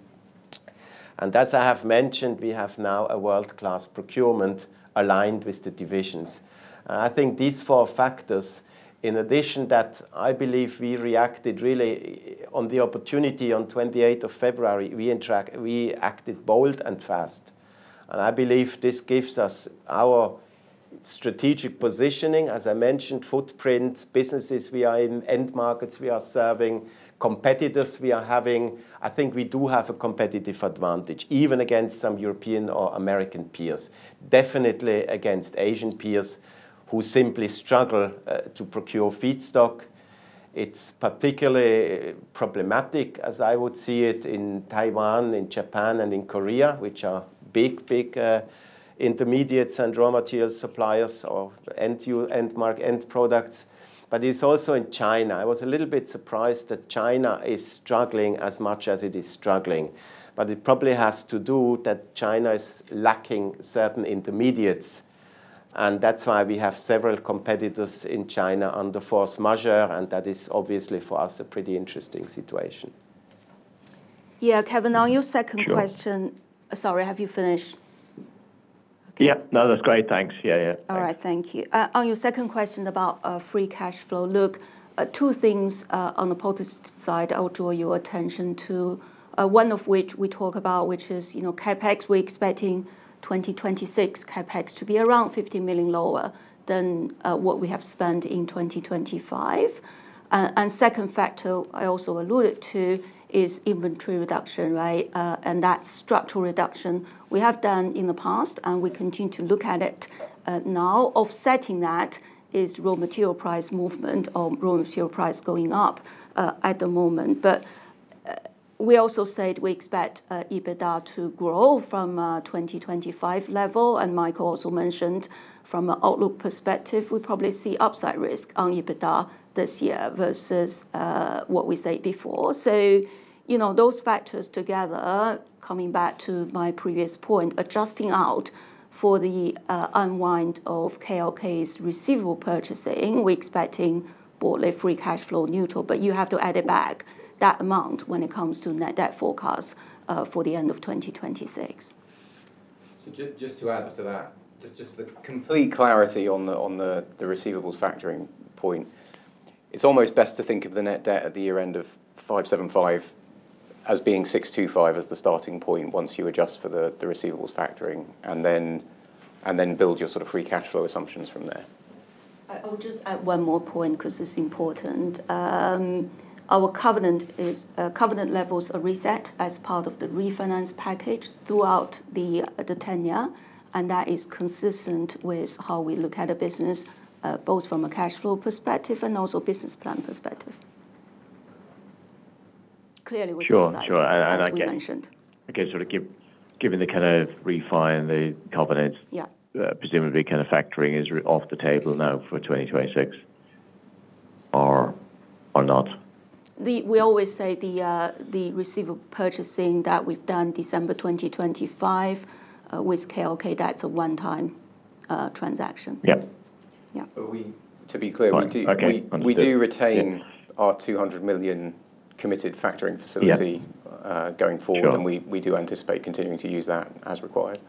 As I have mentioned, we have now a world-class procurement aligned with the divisions. I think these four factors, in addition that I believe we reacted really on the opportunity on 28th of February, we acted bold and fast. I believe this gives us our strategic positioning, as I mentioned, footprint, businesses we are in, end markets we are serving, competitors we are having. I think we do have a competitive advantage, even against some European or American peers. Definitely against Asian peers who simply struggle to procure feedstock. It's particularly problematic, as I would see it, in Taiwan, in Japan, and in Korea, which are big intermediates and raw material suppliers of end products. It's also in China. I was a little bit surprised that China is struggling as much as it is struggling. It probably has to do that China is lacking certain intermediates, and that is why we have several competitors in China under force majeure, and that is obviously for us a pretty interesting situation. Yeah, Kevin, on your second question. Sure. Sorry, have you finished? Yeah. No, that's great. Thanks. Yeah, yeah. All right. Thank you. On your second question about free cash flow, two things on the positive side I'll draw your attention to. One of which we talk about, which is CapEx, we're expecting 2026 CapEx to be around 50 million lower than what we have spent in 2025. Second factor I also alluded to is inventory reduction, right? That structural reduction we have done in the past, and we continue to look at it now. Offsetting that is raw material price movement or raw material price going up at the moment. We also said we expect EBITDA to grow from 2025 level, and Michael also mentioned from an outlook perspective we probably see upside risk on EBITDA this year versus what we said before. You know, those factors together, coming back to my previous point, adjusting out for the unwind of KLK's receivable purchasing, we're expecting broadly free cash flow neutral. You have to add it back that amount when it comes to net debt forecast for the end of 2026. Just to add to that, just the complete clarity on the receivables factoring point. It's almost best to think of the net debt at the year end of 575 as being 625 as the starting point once you adjust for the receivables factoring, and then build your sort of free cashflow assumptions from there. I'll just add one more point 'cause it's important. Covenant levels are reset as part of the refinance package throughout the tenure. That is consistent with how we look at a business, both from a cash flow perspective and also business plan perspective. Clearly with insight- Sure. Sure. As we mentioned.... I get sort of given the kind of refi and the covenant. Yeah... PResumably kind of factoring is off the table now for 2026 or not? The, we always say the receivable purchasing that we've done December 2025, with KLK, that's a one-time, transaction. Yeah. Yeah. We, to be clear. Fine. Okay. Understood. Yeah... we do retain our 200 million committed factoring facility. Yeah... going forward. Sure. We do anticipate continuing to use that as required.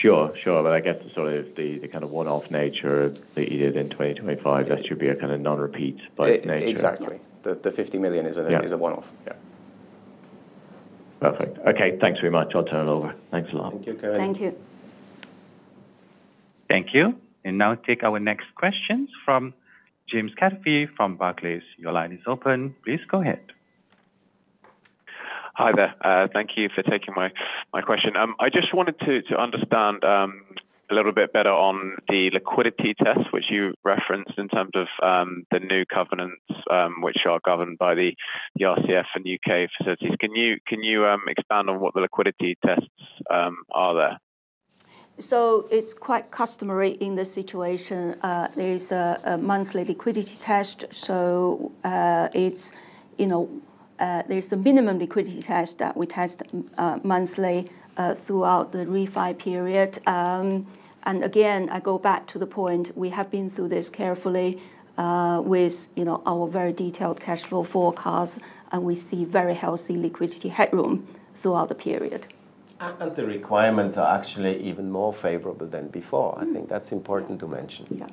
Sure. Sure. I guess sort of the kind of one-off nature that you did in 2025. That should be a kind of non-repeat by nature. Exactly. The 50 million is a one-off. Yeah. Perfect. Okay, thanks very much. I'll turn it over. Thanks a lot. Thank you, Kevin. Thank you. Thank you. Now take our next questions from James Caffrey from Barclays. Your line is open. Please go ahead. Hi there. Thank you for taking my question. I just wanted to understand a little bit better on the liquidity test which you referenced in terms of the new covenants, which are governed by the RCF and U.K. facilities. Can you expand on what the liquidity tests are there? It's quite customary in this situation. There is a monthly liquidity test. It's, you know, there is a minimum liquidity test that we test monthly throughout the refi period. Again, I go back to the point, we have been through this carefully with, you know, our very detailed cashflow forecast, and we see very healthy liquidity headroom throughout the period. The requirements are actually even more favorable than before. I think that's important to mention. Yeah.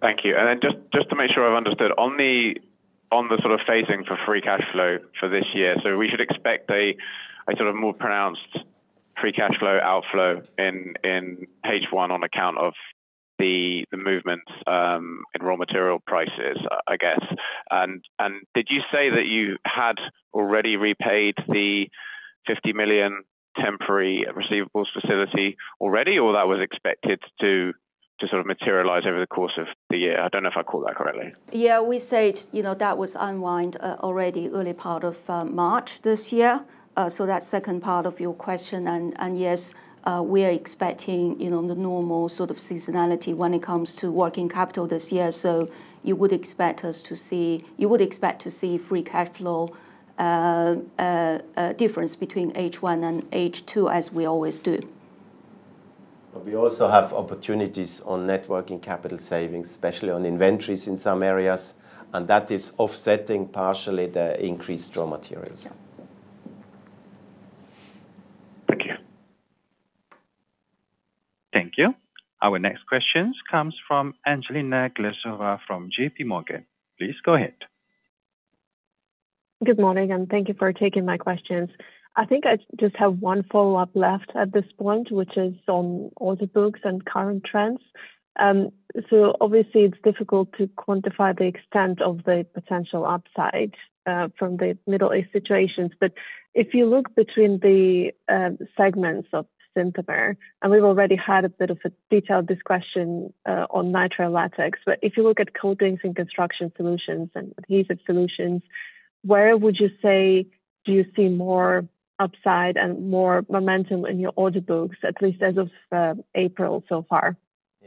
Thank you. Just to make sure I've understood. On the sort of phasing for free cashflow for this year, so we should expect a more pronounced free cashflow outflow in Q1 on account of the movements in raw material prices, I guess. Did you say that you had already repaid the 50 million temporary receivables facility already, or that was expected to sort of materialize over the course of the year? I don't know if I caught that correctly. Yeah. We said, you know, that was unwind already early part of March this year. That second part of your question. Yes, we are expecting, you know, the normal sort of seasonality when it comes to working capital this year. You would expect to see free cashflow, a difference between H1 and H2, as we always do. We also have opportunities on net working capital savings, especially on inventories in some areas, and that is offsetting partially the increased raw materials. Yeah. Thank you. Thank you. Our next question comes from Angelina Glazova from JPMorgan. Please go ahead. Good morning, and thank you for taking my questions. I think I just have one follow-up left at this point, which is on order books and current trends. Obviously it's difficult to quantify the extent of the potential upside from the Middle East situations. If you look between the segments of Synthomer, and we've already had a bit of a detailed discussion on nitrile latex. If you look at Coatings & Construction Solutions and Adhesive Solutions, where would you say do you see more upside and more momentum in your order books, at least as of April so far?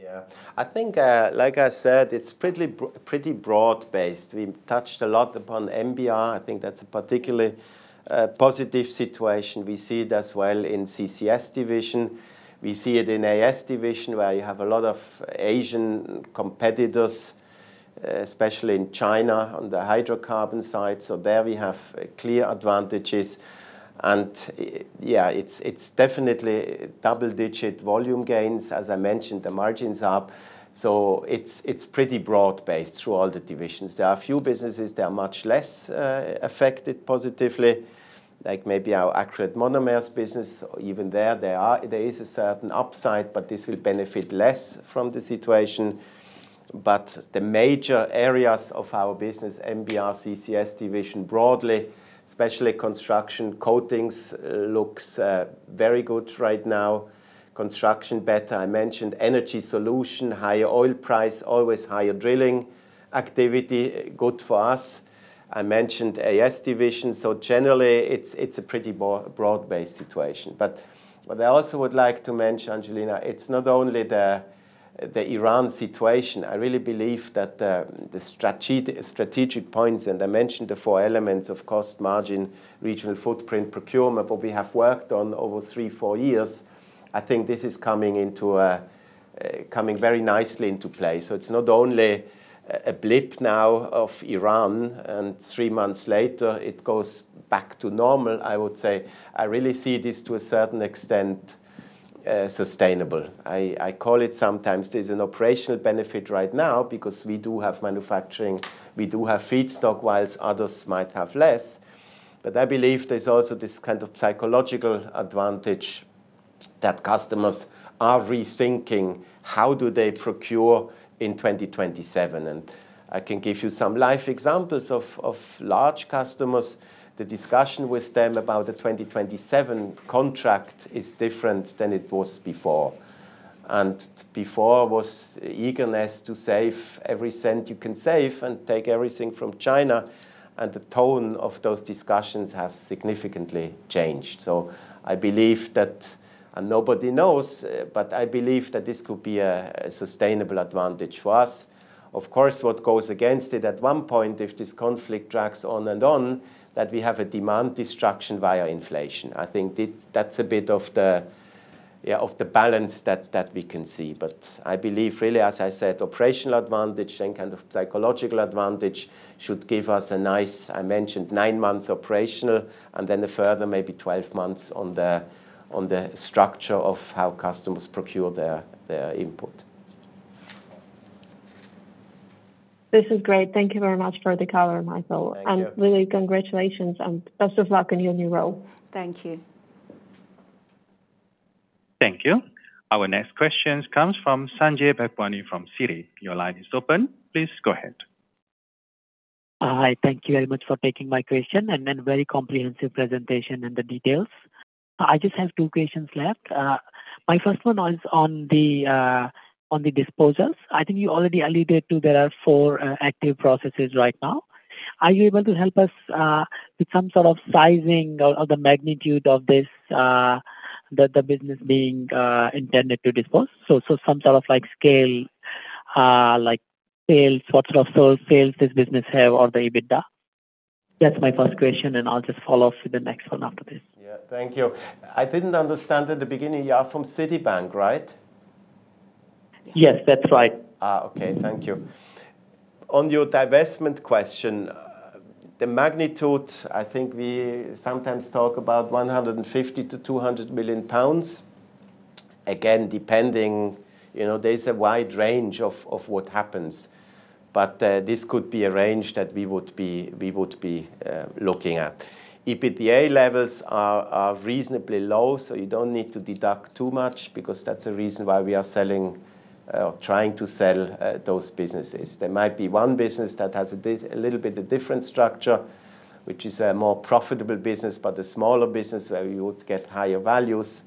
Yeah. I think, like I said, it's pretty broad based. We touched a lot upon NBR. I think that's a particularly positive situation. We see it as well in CCS division. We see it in AS division, where you have a lot of Asian competitors, especially in China on the hydrocarbon side. There we have clear advantages. Yeah, it's definitely double-digit volume gains. As I mentioned, the margins are up. It's pretty broad based through all the divisions. There are a few businesses that are much less affected positively, like maybe our acrylic monomers business. Even there is a certain upside, but this will benefit less from the situation. The major areas of our business, NBR, CCS division broadly, especially construction coatings looks very good right now. Construction better. I mentioned Energy Solutions, higher oil price, always higher drilling activity, good for us. I mentioned AS division. Generally, it's a pretty broad-based situation. What I also would like to mention, Angelina, it's not only the Iran situation. I really believe that the strategic points, and I mentioned the four elements of cost margin, regional footprint, procurement, what we have worked on over three, four years, I think this is coming into coming very nicely into play. It's not only a blip now of Iran, and three months later it goes back to normal, I would say. I really see this to a certain extent sustainable. I call it sometimes there's an operational benefit right now because we do have manufacturing, we do have feedstock, whilst others might have less. I believe there's also this kind of psychological advantage that customers are rethinking how do they procure in 2027. I can give you some live examples of large customers. The discussion with them about the 2027 contract is different than it was before. Before was eagerness to save every cent you can save and take everything from China, and the tone of those discussions has significantly changed. I believe that, and nobody knows, but I believe that this could be a sustainable advantage for us. Of course, what goes against it, at one point, if this conflict drags on and on, that we have a demand destruction via inflation. I think that's a bit of the balance that we can see. I believe really, as I said, operational advantage and kind of psychological advantage should give us a nice, I mentioned nine months operational, and then a further maybe 12 months on the structure of how customers procure their input. This is great. Thank you very much for the color, Michael. Thank you. Lily, congratulations and best of luck in your new role. Thank you. Thank you. Our next question comes from Sanjay Bhagwani from Citi. Your line is open. Please go ahead. Hi. Thank you very much for taking my question, and then very comprehensive presentation and the details. I just have two questions left. My first one is on the disposals. I think you already alluded to there are four active processes right now. Are you able to help us with some sort of sizing or the magnitude of this business being intended to dispose? So some sort of like scale, like sales, what sort of sales this business have or the EBITDA? That's my first question. I'll just follow up with the next one after this. Yeah. Thank you. I didn't understand at the beginning, you are from Citibank, right? Yes, that's right. Okay. Thank you. On your divestment question, the magnitude, I think we sometimes talk about 150 million-200 million pounds. Again, depending, you know, there's a wide range of what happens. This could be a range that we would be looking at. EBITDA levels are reasonably low, so you don't need to deduct too much because that's a reason why we are selling or trying to sell those businesses. There might be one business that has a bit, a little bit of different structure, which is a more profitable business but a smaller business where we would get higher values.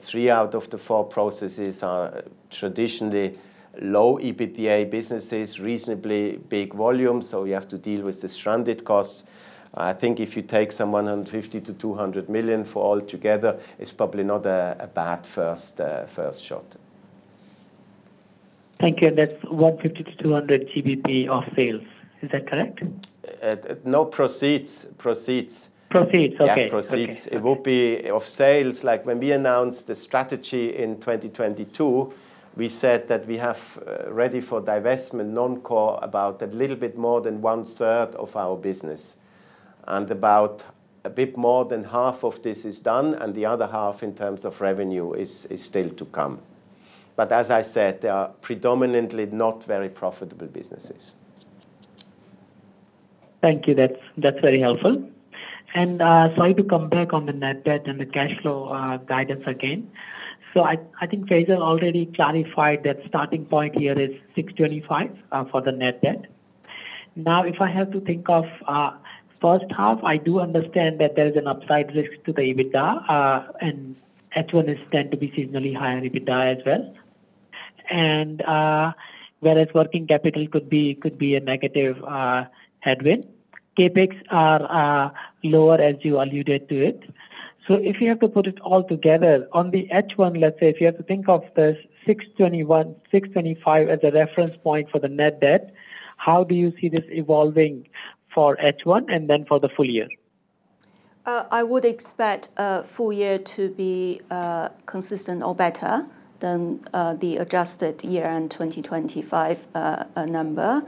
Three out of the four processes are traditionally low EBITDA businesses, reasonably big volume, so we have to deal with the stranded costs. I think if you take some 150 million- GPB 200 million for all together, it's probably not a bad first shot. Thank you. That's 150 million-200 GBP of sales. Is that correct? No, proceeds. Proceeds. Proceeds, okay. Yeah, proceeds. Okay. It will be of sales. Like, when we announced the strategy in 2022, we said that we have ready for divestment non-core about a little bit more than 1/3 of our business. About a bit more than half of this is done, and the other half in terms of revenue is still to come. As I said, they are predominantly not very profitable businesses. Thank you. That's, that's very helpful. Sorry to come back on the net debt and the cash flow guidance again. I think Faisal already clarified that starting point here is 625 for the net debt. If I have to think of first half, I do understand that there is an upside risk to the EBITDA, and H1 is tend to be seasonally higher in EBITDA as well. Whereas working capital could be, could be a negative headwind. CapEx are lower, as you alluded to it. If you have to put it all together on the H1, let's say if you have to think of this 621-625 as a reference point for the net debt, how do you see this evolving for H1 and then for the full year? I would expect full year to be consistent or better than the adjusted year-end 2025 number.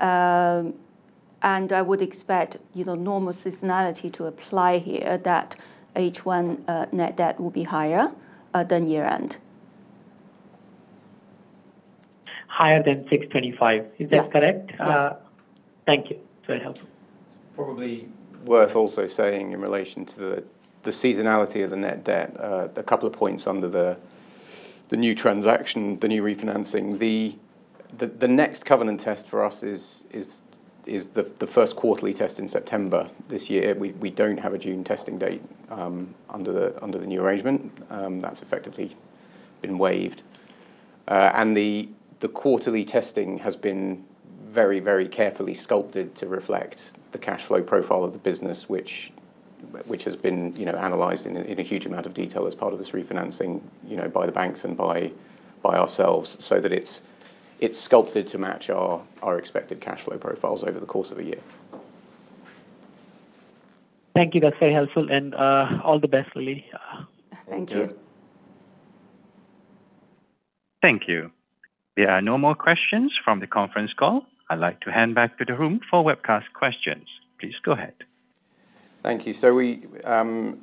I would expect, you know, normal seasonality to apply here that H1 net debt will be higher than year-end. Higher than 625. Yeah. Is that correct? Yeah. Thank you. Very helpful. Probably worth also saying in relation to the seasonality of the net debt, a couple of points under the new transaction, the new refinancing. The next covenant test for us is the first quarterly test in September this year. We don't have a June testing date under the new arrangement. That's effectively been waived. The quarterly testing has been very carefully sculpted to reflect the cashflow profile of the business which has been, you know, analyzed in a huge amount of detail as part of this refinancing, you know, by the banks and by ourselves so that it's sculpted to match our expected cashflow profiles over the course of a year. Thank you. That's very helpful. All the best, Lily. Thank you. Thank you. There are no more questions from the conference call. I'd like to hand back to the room for webcast questions. Please go ahead. Thank you. We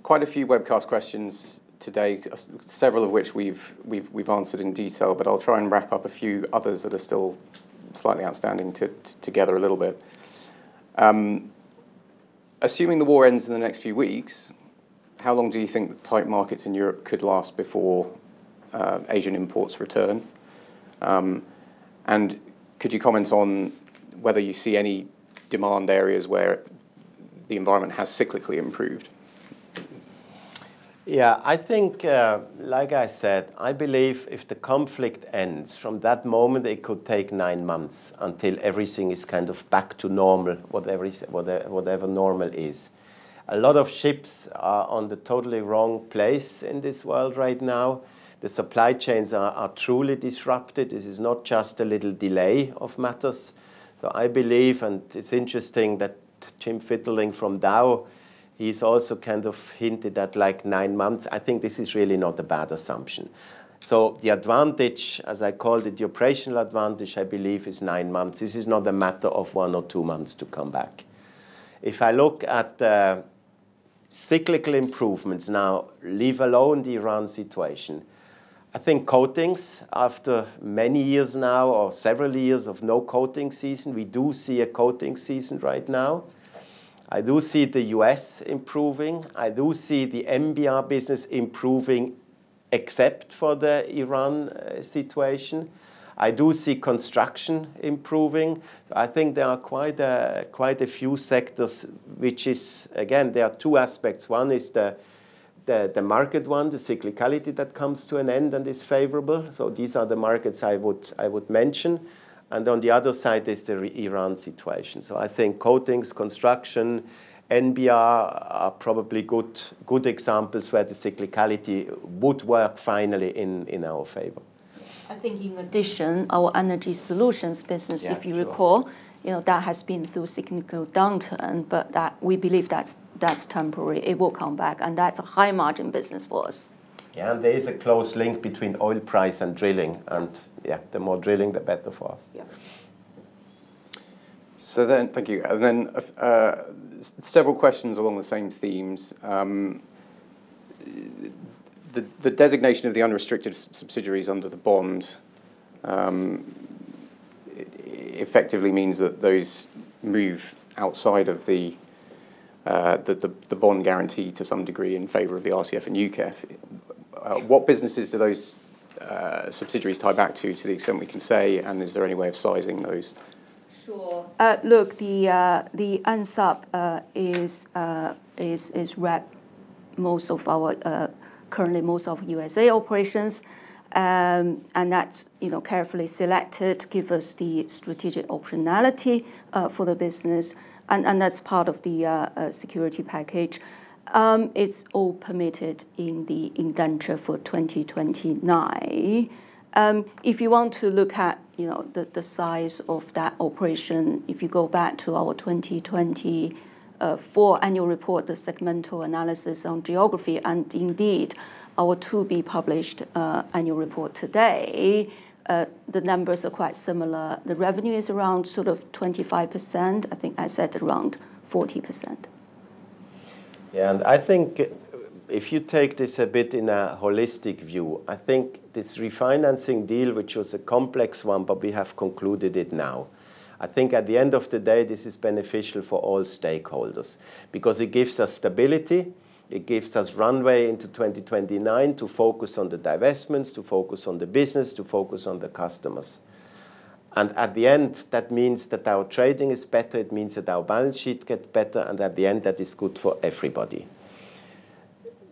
quite a few webcast questions today, several of which we've answered in detail, but I'll try and wrap up a few others that are still slightly outstanding together a little bit. Assuming the war ends in the next few weeks, how long do you think the tight markets in Europe could last before Asian imports return? Could you comment on whether you see any demand areas where the environment has cyclically improved? Yeah. I think, like I said, I believe if the conflict ends, from that moment it could take nine months until everything is kind of back to normal, whatever is, whatever normal is. A lot of ships are on the totally wrong place in this world right now. The supply chains are truly disrupted. This is not just a little delay of matters. I believe, and it's interesting that Jim Fitterling from Dow, he's also kind of hinted at, like, nine months. I think this is really not a bad assumption. The advantage, as I called it, the operational advantage I believe is nine months. This is not a matter of one or two months to come back. If I look at the cyclical improvements now, leave alone the Iran situation, I think coatings, after many years now or several years of no coating season, we do see a coating season right now. I do see the U.S. improving. I do see the NBR business improving except for the Iran situation. I do see construction improving. I think there are quite a few sectors. There are two aspects. One is the market one, the cyclicality that comes to an end and is favorable, these are the markets I would mention. On the other side is the Iran situation. I think coatings, construction, NBR are probably good examples where the cyclicality would work finally in our favor. I think in addition, our Energy Solutions business- Yeah, sure. If you recall, you know, that has been through cyclical downturn, but that, we believe that's temporary. It will come back. That's a high margin business for us. Yeah. There is a close link between oil price and drilling. Yeah, the more drilling, the better for us. Yeah. Thank you. Several questions along the same themes. The designation of the unrestricted subsidiaries under the bond effectively means that those move outside of the bond guarantee to some degree in favor of the RCF and UKEF. What businesses do those subsidiaries tie back to the extent we can say, and is there any way of sizing those? Sure. Look, the UNSUB represents most of our current U.S. operations. And that's you know carefully selected to give us the strategic optionality for the business and that's part of the security package. It's all permitted in the indenture for 2029. If you want to look at you know the size of that operation, if you go back to our 2024 annual report, the segmental analysis on geography, and indeed our to-be-published annual report today, the numbers are quite similar. The revenue is around sort of 25%. I think I said around 40%. Yeah. I think if you take this a bit in a holistic view, I think this refinancing deal, which was a complex one, but we have concluded it now, I think at the end of the day, this is beneficial for all stakeholders because it gives us stability, it gives us runway into 2029 to focus on the divestments, to focus on the business, to focus on the customers. At the end, that means that our trading is better, it means that our balance sheet get better, and at the end, that is good for everybody.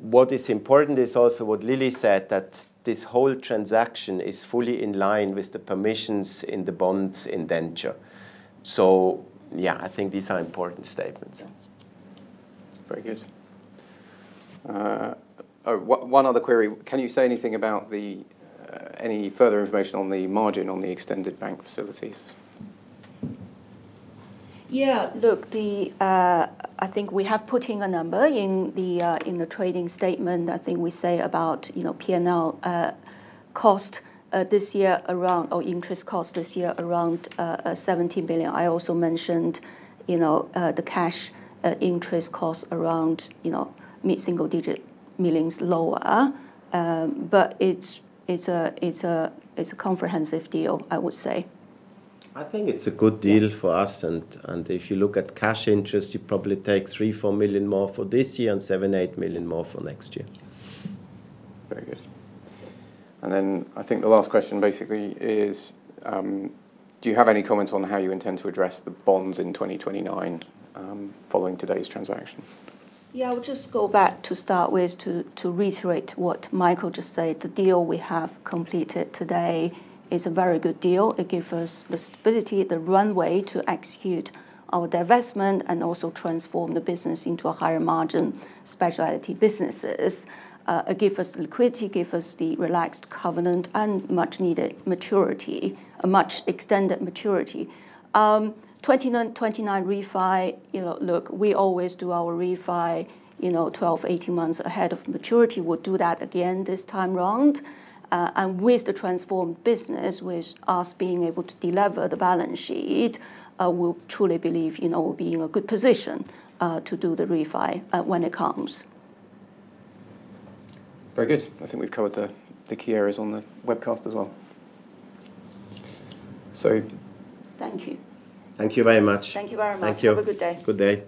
What is important is also what Lily said, that this whole transaction is fully in line with the permissions in the bonds indenture. Yeah, I think these are important statements. Yeah. Very good. One other query. Can you say anything about any further information on the margin on the extended bank facilities? Yeah. Look, the, I think we have put in a number in the, in the trading statement. I think we say about, you know, P&L cost this year around, or interest cost this year around, 17 billion. I also mentioned, you know, the cash interest cost around, you know, mid-single digit millions lower. It's a comprehensive deal, I would say. I think it's a good deal for us. If you look at cash interest, you probably take 3 million-4 million more for this year and 7 million-8 million more for next year. Yeah. Very good. Then I think the last question basically is, do you have any comments on how you intend to address the bonds in 2029, following today's transaction? I would just go back to start with to reiterate what Michael just said. The deal we have completed today is a very good deal. It give us the stability, the runway to execute our divestment and also transform the business into a higher margin specialty businesses, give us liquidity, give us the relaxed covenant and much needed maturity, a much extended maturity. 2029 refi, you know, look, we always do our refi, you know, 12, 18 months ahead of maturity. We'll do that at the end this time around. With the transformed business, with us being able to delever the balance sheet, we truly believe, you know, we'll be in a good position to do the refi when it comes. Very good. I think we've covered the key areas on the webcast as well. Thank you. Thank you very much. Thank you very much. Thank you. Have a good day. Good day.